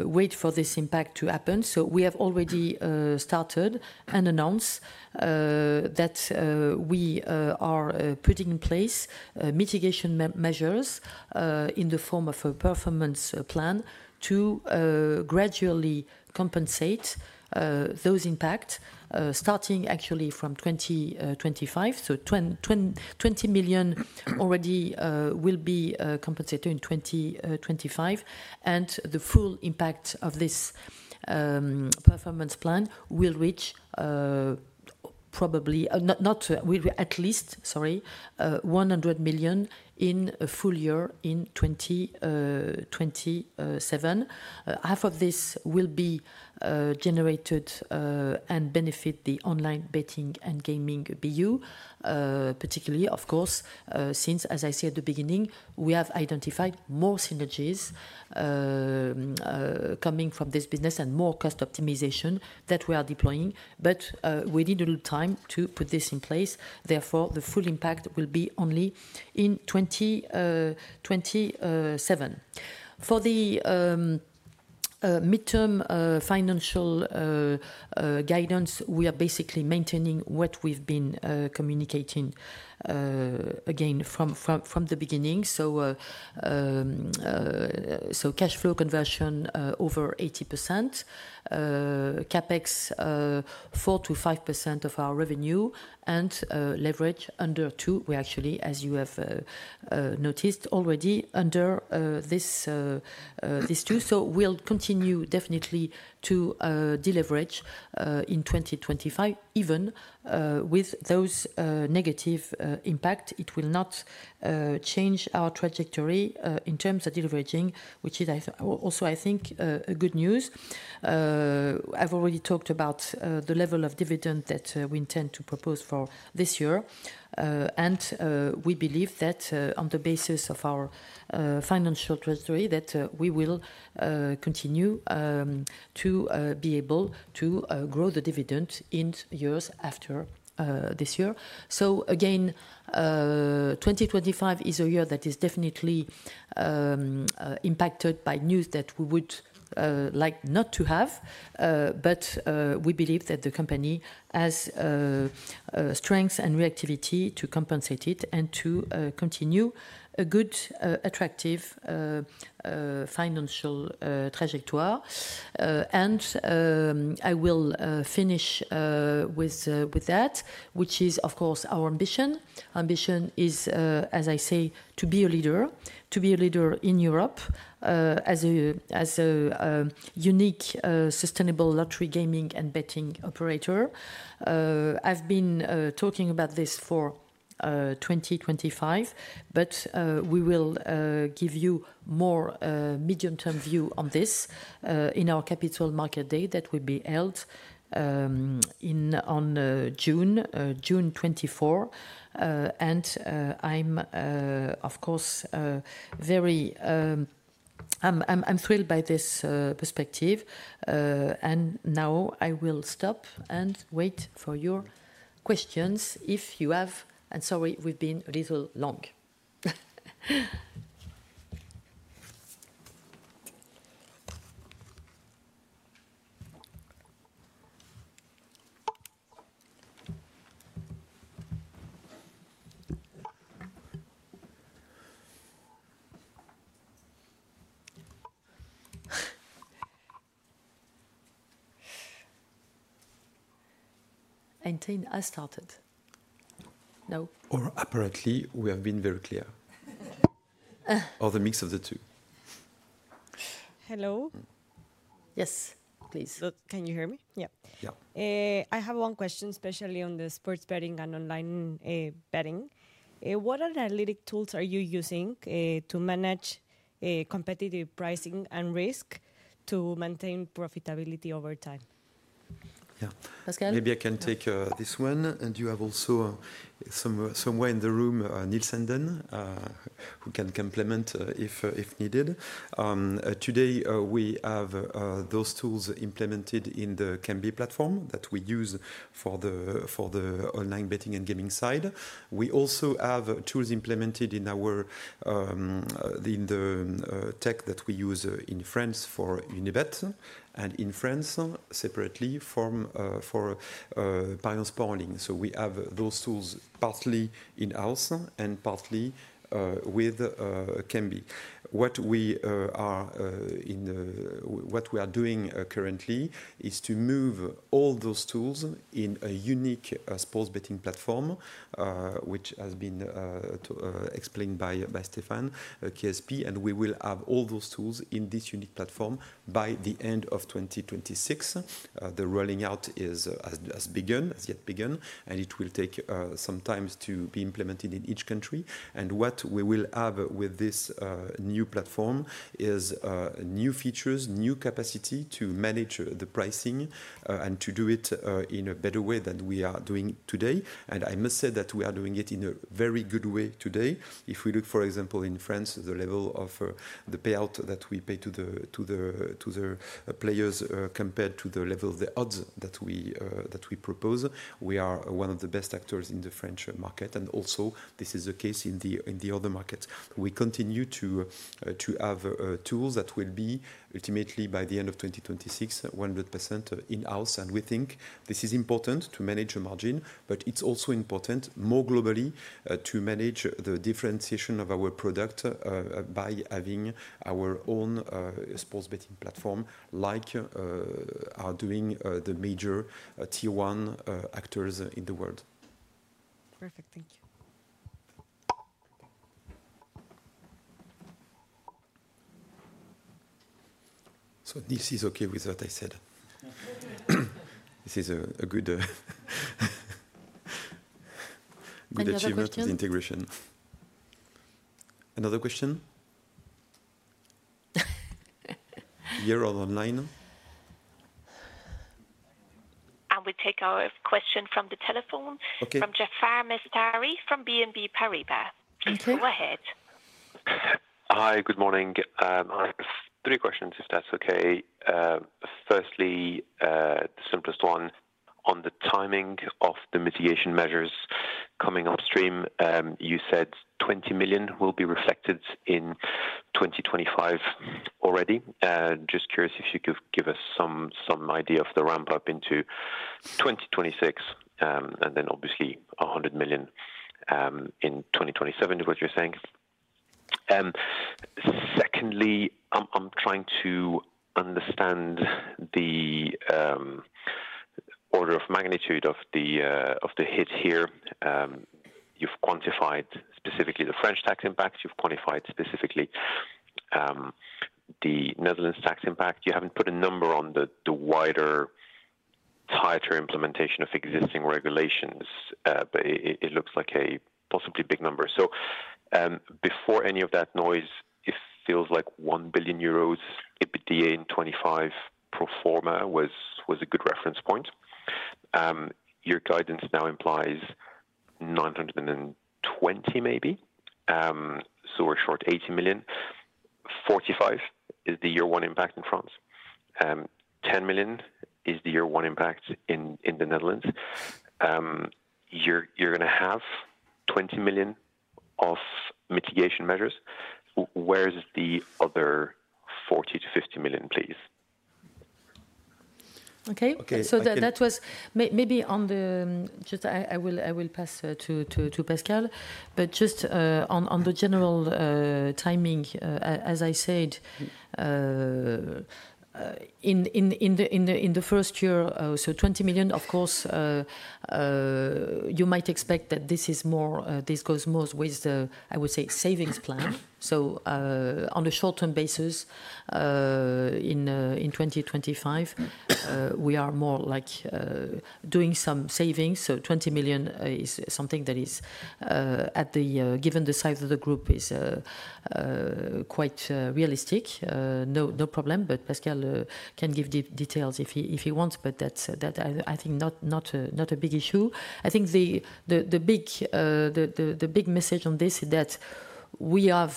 wait for this impact to happen. So we have already started and announced that we are putting in place mitigation measures in the form of a performance plan to gradually compensate those impacts, starting actually from 2025. So 20 million already will be compensated in 2025. The full impact of this performance plan will reach probably at least 100 million in full year in 2027. Half of this will be generated and benefit the online betting and gaming BU, particularly, of course, since, as I said at the beginning, we have identified more synergies coming from this business and more cost optimization that we are deploying. We need a little time to put this in place. Therefore, the full impact will be only in 2027. For the midterm financial guidance, we are basically maintaining what we've been communicating again from the beginning. Cash flow conversion over 80%, CapEx 4%-5% of our revenue, and leverage under 2%. We actually, as you have noticed already, under this 2%. We'll continue definitely to deleverage in 2025, even with those negative impacts. It will not change our trajectory in terms of deleveraging, which is also, I think, good news. I've already talked about the level of dividend that we intend to propose for this year, and we believe that on the basis of our financial trajectory, that we will continue to be able to grow the dividend in years after this year, so again, 2025 is a year that is definitely impacted by news that we would like not to have, but we believe that the company has strength and reactivity to compensate it and to continue a good, attractive financial trajectory, and I will finish with that, which is, of course, our ambition. Ambition is, as I say, to be a leader, to be a leader in Europe as a unique sustainable lottery gaming and betting operator. I've been talking about this for 2025, but we will give you more medium-term view on this in our capital market day that will be held on June 24. And I'm, of course, very thrilled by this perspective. And now I will stop and wait for your questions if you have. And sorry, we've been a little long. And then I started. No. Or apparently, we have been very clear. Or the mix of the two. Hello? Yes, please. Can you hear me? Yeah. I have one question, especially on the sports betting and online betting. What analytic tools are you using to manage competitive pricing and risk to maintain profitability over time? Yeah. Pascal? Maybe I can take this one. And you have also somewhere in the room, Niels Andén, who can complement if needed. Today, we have those tools implemented in the Kambi platform that we use for the online betting and gaming side. We also have tools implemented in the tech that we use in France for Unibet. And in France, separately for Parions Sport. So we have those tools partly in-house and partly with Kambi. What we are doing currently is to move all those tools in a unique sports betting platform, which has been explained by Stéphane KSP. We will have all those tools in this unique platform by the end of 2026. The rolling out has begun. It will take some time to be implemented in each country. What we will have with this new platform is new features, new capacity to manage the pricing and to do it in a better way than we are doing today. And I must say that we are doing it in a very good way today. If we look, for example, in France, the level of the payout that we pay to the players compared to the level of the odds that we propose, we are one of the best actors in the French market. And also, this is the case in the other markets. We continue to have tools that will be, ultimately, by the end of 2026, 100% in-house. And we think this is important to manage the margin. But it's also important, more globally, to manage the differentiation of our product by having our own sports betting platform, like are doing the major tier-one actors in the world. Perfect. Thank you. So this is okay with what I said. This is a good. Good achievement. The integration. Another question? Here or online? I will take our question from the telephone from Jaafar Mestari from BNP Paribas. Please go ahead. Hi, good morning. I have three questions, if that's okay. Firstly, the simplest one on the timing of the mitigation measures coming upstream. You said 20 million will be reflected in 2025 already. Just curious if you could give us some idea of the ramp-up into 2026. And then, obviously, 100 million in 2027 is what you're saying. Secondly, I'm trying to understand the order of magnitude of the hit here. You've quantified specifically the French tax impact. You've quantified specifically the Netherlands tax impact. You haven't put a number on the wider, tighter implementation of existing regulations. But it looks like a possibly big number. So before any of that noise, it feels like €1 billion EBITDA in 2025 pro forma was a good reference point. Your guidance now implies 920, maybe. So we're short 80 million. 45 is the year-one impact in France. 10 million is the year-one impact in the Netherlands. You're going to have 20 million of mitigation measures. Where's the other 40-50 million, please? Okay. So that was maybe on the just I will pass to Pascal. But just on the general timing, as I said, in the first year, so 20 million, of course, you might expect that this goes more with the, I would say, savings plan. So on a short-term basis, in 2025, we are more like doing some savings. So 20 million is something that is, given the size of the group, is quite realistic. No problem. But Pascal can give details if he wants. But that's, I think, not a big issue. I think the big message on this is that we have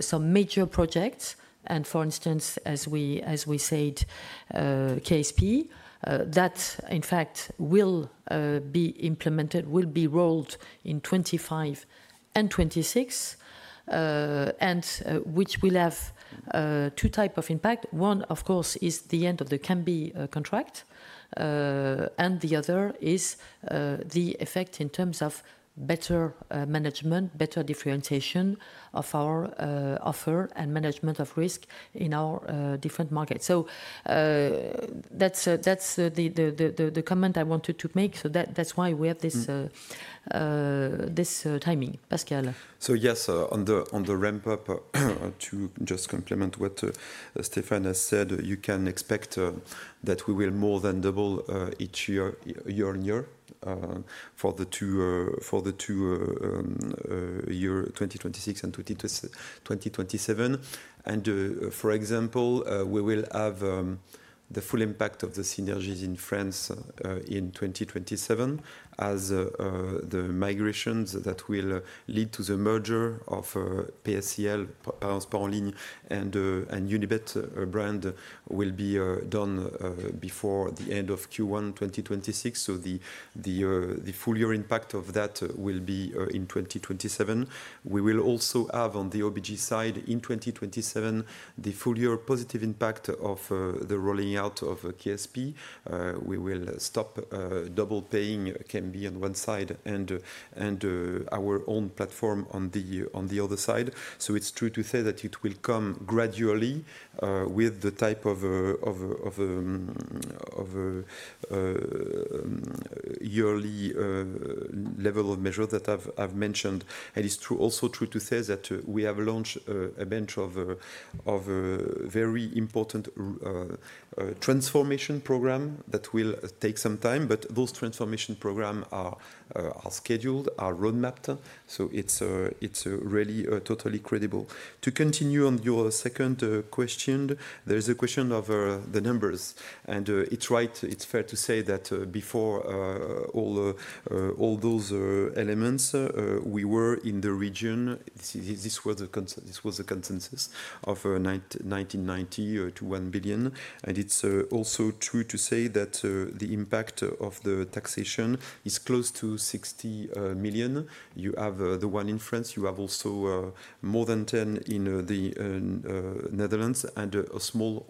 some major projects. For instance, as we said, KSP, that, in fact, will be implemented, will be rolled in 2025 and 2026, which will have two types of impact. One, of course, is the end of the Kambi contract. And the other is the effect in terms of better management, better differentiation of our offer and management of risk in our different markets. So that's the comment I wanted to make. So that's why we have this timing. Pascal? So yes, on the ramp-up, to just complement what Stéphane has said, you can expect that we will more than double each year on year for the two-year 2026 and 2027. And for example, we will have the full impact of the synergies in France in 2027, as the migrations that will lead to the merger of PSEL, Parions Sport en Ligne, and Unibet brand will be done before the end of Q1 2026. So the full-year impact of that will be in 2027. We will also have, on the OBG side, in 2027, the full-year positive impact of the rolling out of KSP. We will stop double-paying Kambi on one side and our own platform on the other side. So it's true to say that it will come gradually with the type of yearly level of measures that I've mentioned. And it's also true to say that we have launched a bunch of very important transformation programs that will take some time. But those transformation programs are scheduled, are roadmapped. So it's really totally credible. To continue on your second question, there is a question of the numbers. And it's right, it's fair to say that before all those elements, we were in the region. This was the consensus of 1.990 billion to 1 billion. And it's also true to say that the impact of the taxation is close to 60 million. You have the 10 in France. You have also more than 10 million in the Netherlands and a small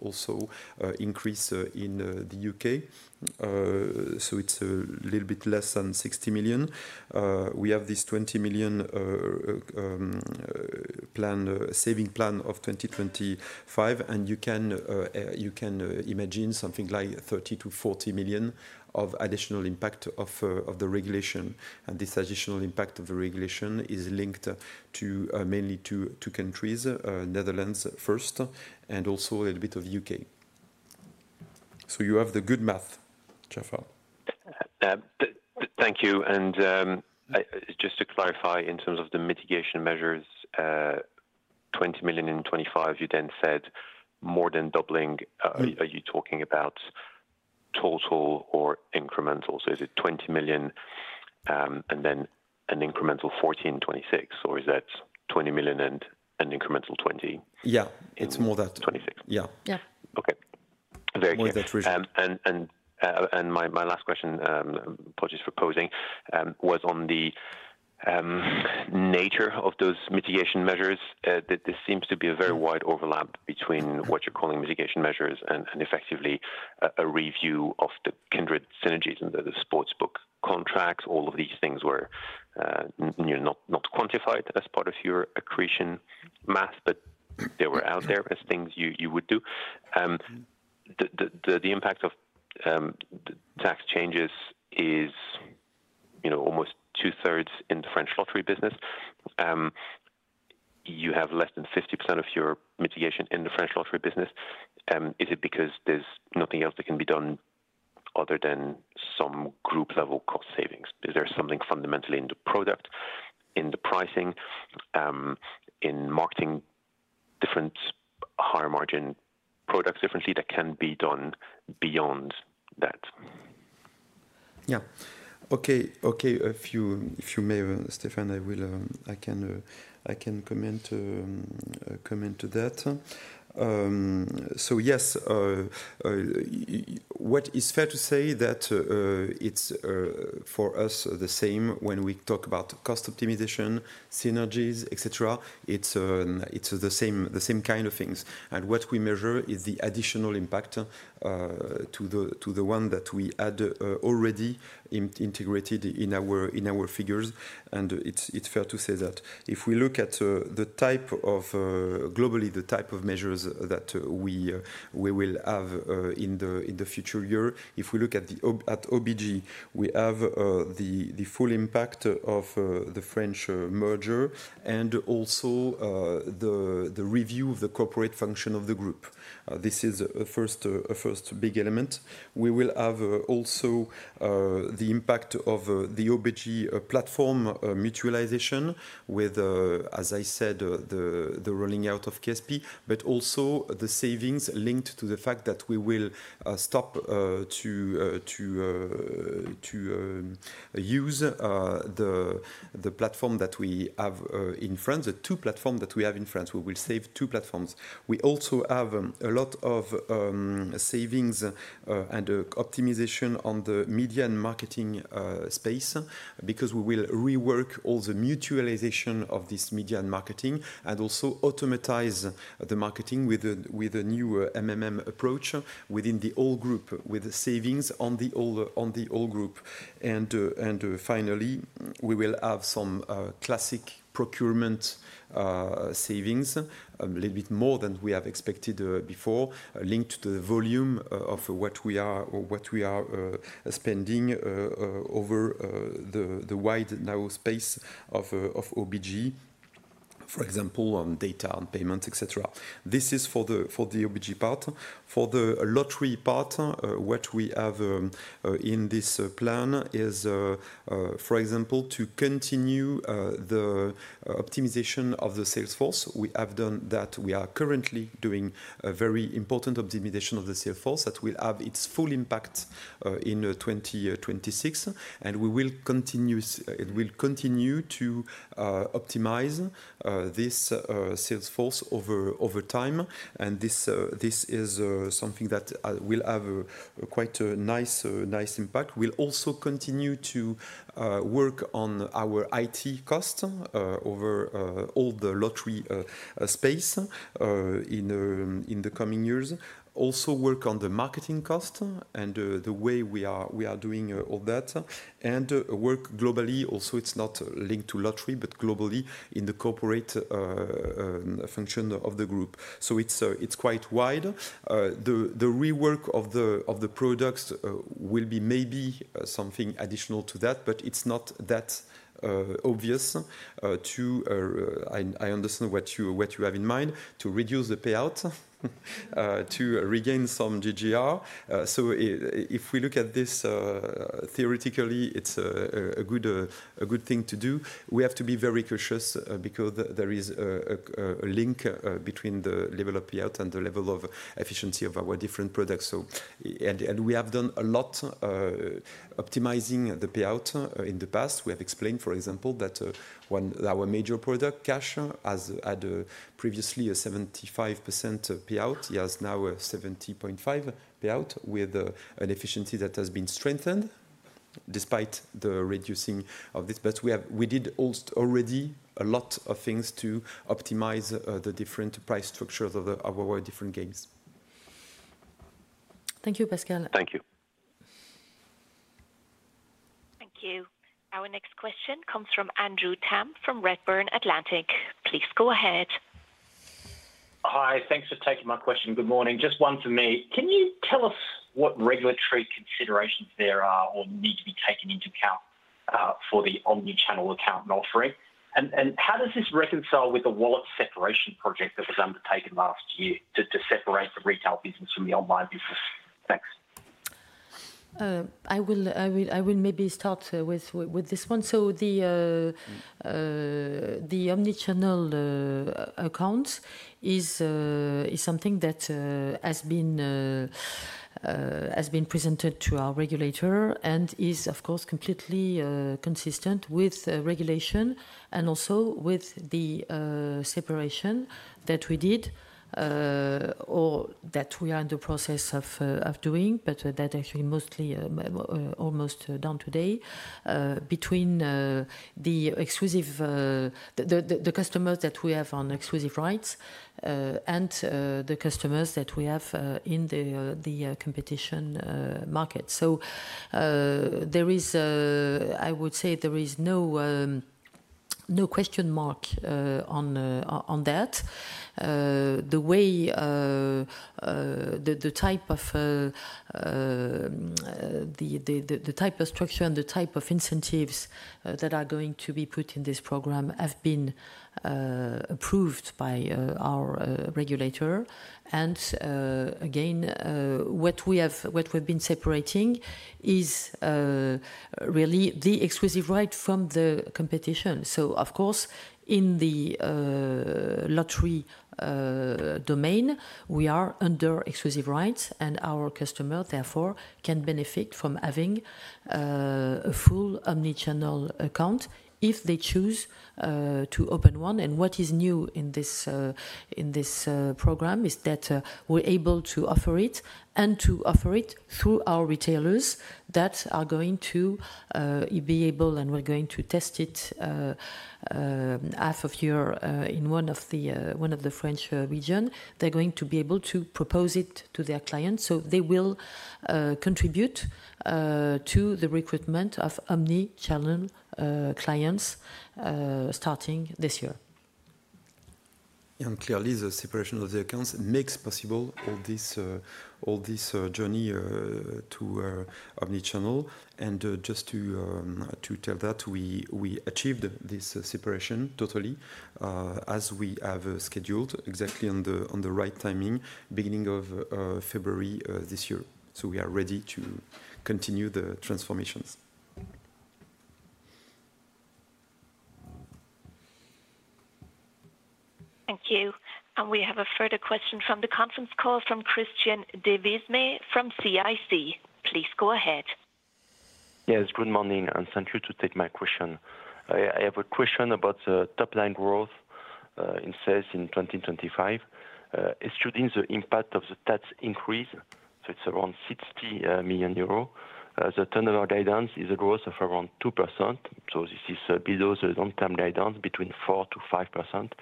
increase also in the UK. So it's a little bit less than 60 million. We have this 20 million saving plan of 2025. And you can imagine something like 30-40 million of additional impact of the regulation. And this additional impact of the regulation is linked mainly to two countries, Netherlands first, and also a little bit of the UK. So you have the good math, Jaafar. Thank you. And just to clarify, in terms of the mitigation measures, 20 million in 2025, you then said more than doubling. Are you talking about total or incremental? So is it 20 million and then an incremental 40 million in 2026? Or is that 20 million and an incremental 20 million? Yeah, it's more that. 2026. Yeah. Yeah. Okay. Very clear. More that region. And my last question, apologies for posing, was on the nature of those mitigation measures. This seems to be a very wide overlap between what you're calling mitigation measures and effectively a review of the Kindred synergies and the sportsbook contracts. All of these things were not quantified as part of your accretion math, but they were out there as things you would do. The impact of tax changes is almost two-thirds in the French lottery business. You have less than 50% of your mitigation in the French lottery business. Is it because there's nothing else that can be done other than some group-level cost savings? Is there something fundamentally in the product, in the pricing, in marketing different higher-margin products differently that can be done beyond that? Yeah. Okay. Okay. If you may, Stéphane, I can comment to that. So yes, what is fair to say, that it's for us the same when we talk about cost optimization, synergies, etc. It's the same kind of things, and what we measure is the additional impact to the one that we had already integrated in our figures. It's fair to say that if we look at the type of globally, the type of measures that we will have in the future year, if we look at OBG, we have the full impact of the French merger and also the review of the corporate function of the group. This is a first big element. We will have also the impact of the OBG platform mutualization with, as I said, the rolling out of KSP, but also the savings linked to the fact that we will stop using the platform that we have in France, the two platforms that we have in France. We will save two platforms. We also have a lot of savings and optimization on the media and marketing space because we will rework all the mutualization of this media and marketing and also automatize the marketing with a new approach within the whole group, with savings on the whole group. And finally, we will have some classic procurement savings, a little bit more than we have expected before, linked to the volume of what we are spending over the wide range of OBG, for example, on data and payments, etc. This is for the OBG part. For the lottery part, what we have in this plan is, for example, to continue the optimization of the sales force. We have done that. We are currently doing a very important optimization of the sales force that will have its full impact in 2026. And we will continue to optimize this sales force over time. This is something that will have quite a nice impact. We'll also continue to work on our IT costs over all the lottery space in the coming years. Also work on the marketing cost and the way we are doing all that. And work globally. Also, it's not linked to lottery, but globally in the corporate function of the group. So it's quite wide. The rework of the products will be maybe something additional to that, but it's not that obvious to, I understand what you have in mind, to reduce the payout, to regain some GGR. So if we look at this theoretically, it's a good thing to do. We have to be very cautious because there is a link between the level of payout and the level of efficiency of our different products. And we have done a lot optimizing the payout in the past. We have explained, for example, that our major product, Cash, had previously a 75% payout. He has now a 70.5% payout with an efficiency that has been strengthened despite the reducing of this. But we did already a lot of things to optimize the different price structures of our different games. Thank you, Pascal. Thank you. Thank you. Our next question comes from Andrew Tam from Redburn Atlantic. Please go ahead. Hi. Thanks for taking my question. Good morning. Just one for me. Can you tell us what regulatory considerations there are or need to be taken into account for the omnichannel account and offering? And how does this reconcile with the wallet separation project that was undertaken last year to separate the retail business from the online business? Thanks. I will maybe start with this one. So the omnichannel account is something that has been presented to our regulator and is, of course, completely consistent with regulation and also with the separation that we did or that we are in the process of doing, but that actually mostly almost done today between the customers that we have on exclusive rights and the customers that we have in the competition market. So I would say there is no question mark on that. The type of structure and the type of incentives that are going to be put in this program have been approved by our regulator. And again, what we have been separating is really the exclusive right from the competition. So of course, in the lottery domain, we are under exclusive rights. And our customers, therefore, can benefit from having a full omnichannel account if they choose to open one. And what is new in this program is that we're able to offer it and to offer it through our retailers that are going to be able and we're going to test it half of year in one of the French regions. They're going to be able to propose it to their clients. So they will contribute to the recruitment of omnichannel clients starting this year. And clearly, the separation of the accounts makes possible all this journey to omnichannel. And just to tell that, we achieved this separation totally as we have scheduled exactly on the right timing, beginning of February this year. So we are ready to continue the transformations. Thank you. And we have a further question from the conference call from Christian Devismes from CIC. Please go ahead. Yes. Good morning. And thank you to take my question. I have a question about the top-line growth in sales in 2025. Excluding the impact of the tax increase, so it's around 60 million euro. The turnover guidance is a growth of around 2%. So this is below the long-term guidance between 4%-5%.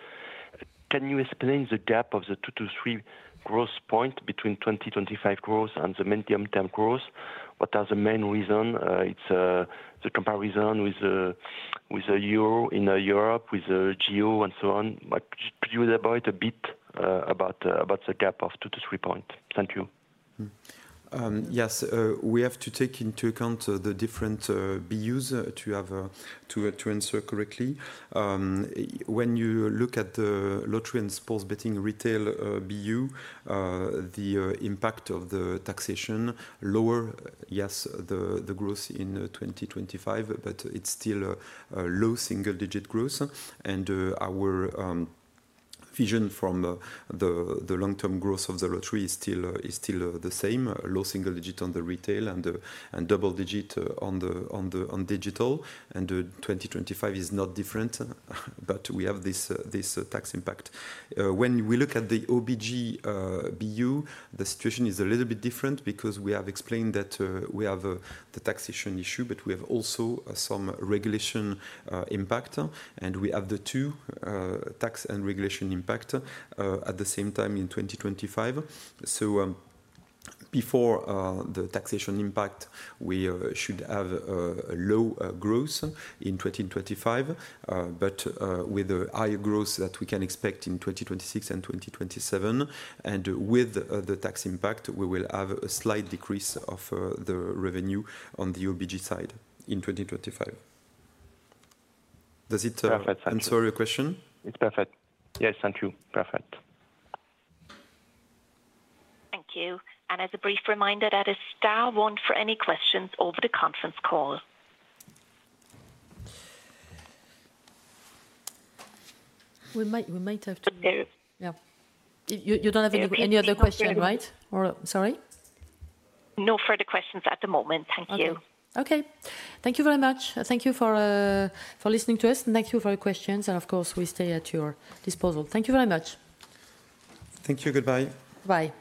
Can you explain the gap of the 2-3 growth points between 2025 growth and the medium-term growth? What are the main reasons? It's the comparison with the EuroMillions in Europe, with the J.O, and so on. Could you elaborate a bit about the gap of 2-3 points? Thank you. Yes. We have to take into account the different BUs to answer correctly. When you look at the lottery and sports betting retail BU, the impact of the lower taxation, yes, the growth in 2025, but it's still low single-digit growth. Our vision for the long-term growth of the lottery is still the same, low single-digit on the retail and double-digit on digital. 2025 is not different, but we have this tax impact. When we look at the OBG BU, the situation is a little bit different because we have explained that we have the taxation issue, but we have also some regulation impact. We have the two tax and regulation impacts at the same time in 2025. Before the taxation impact, we should have low growth in 2025, but with a higher growth that we can expect in 2026 and 2027. With the tax impact, we will have a slight decrease of the revenue on the OBG side in 2025. Does it answer your question? It's perfect. Yes. Thank you. Perfect. Thank you. And as a brief reminder, that is star one for any questions over the conference call. We might have to. Yeah. You don't have any other question, right? Sorry? No further questions at the moment. Thank you. Okay. Thank you very much. Thank you for listening to us. And thank you for your questions. And of course, we stay at your disposal. Thank you very much. Thank you. Goodbye. Bye.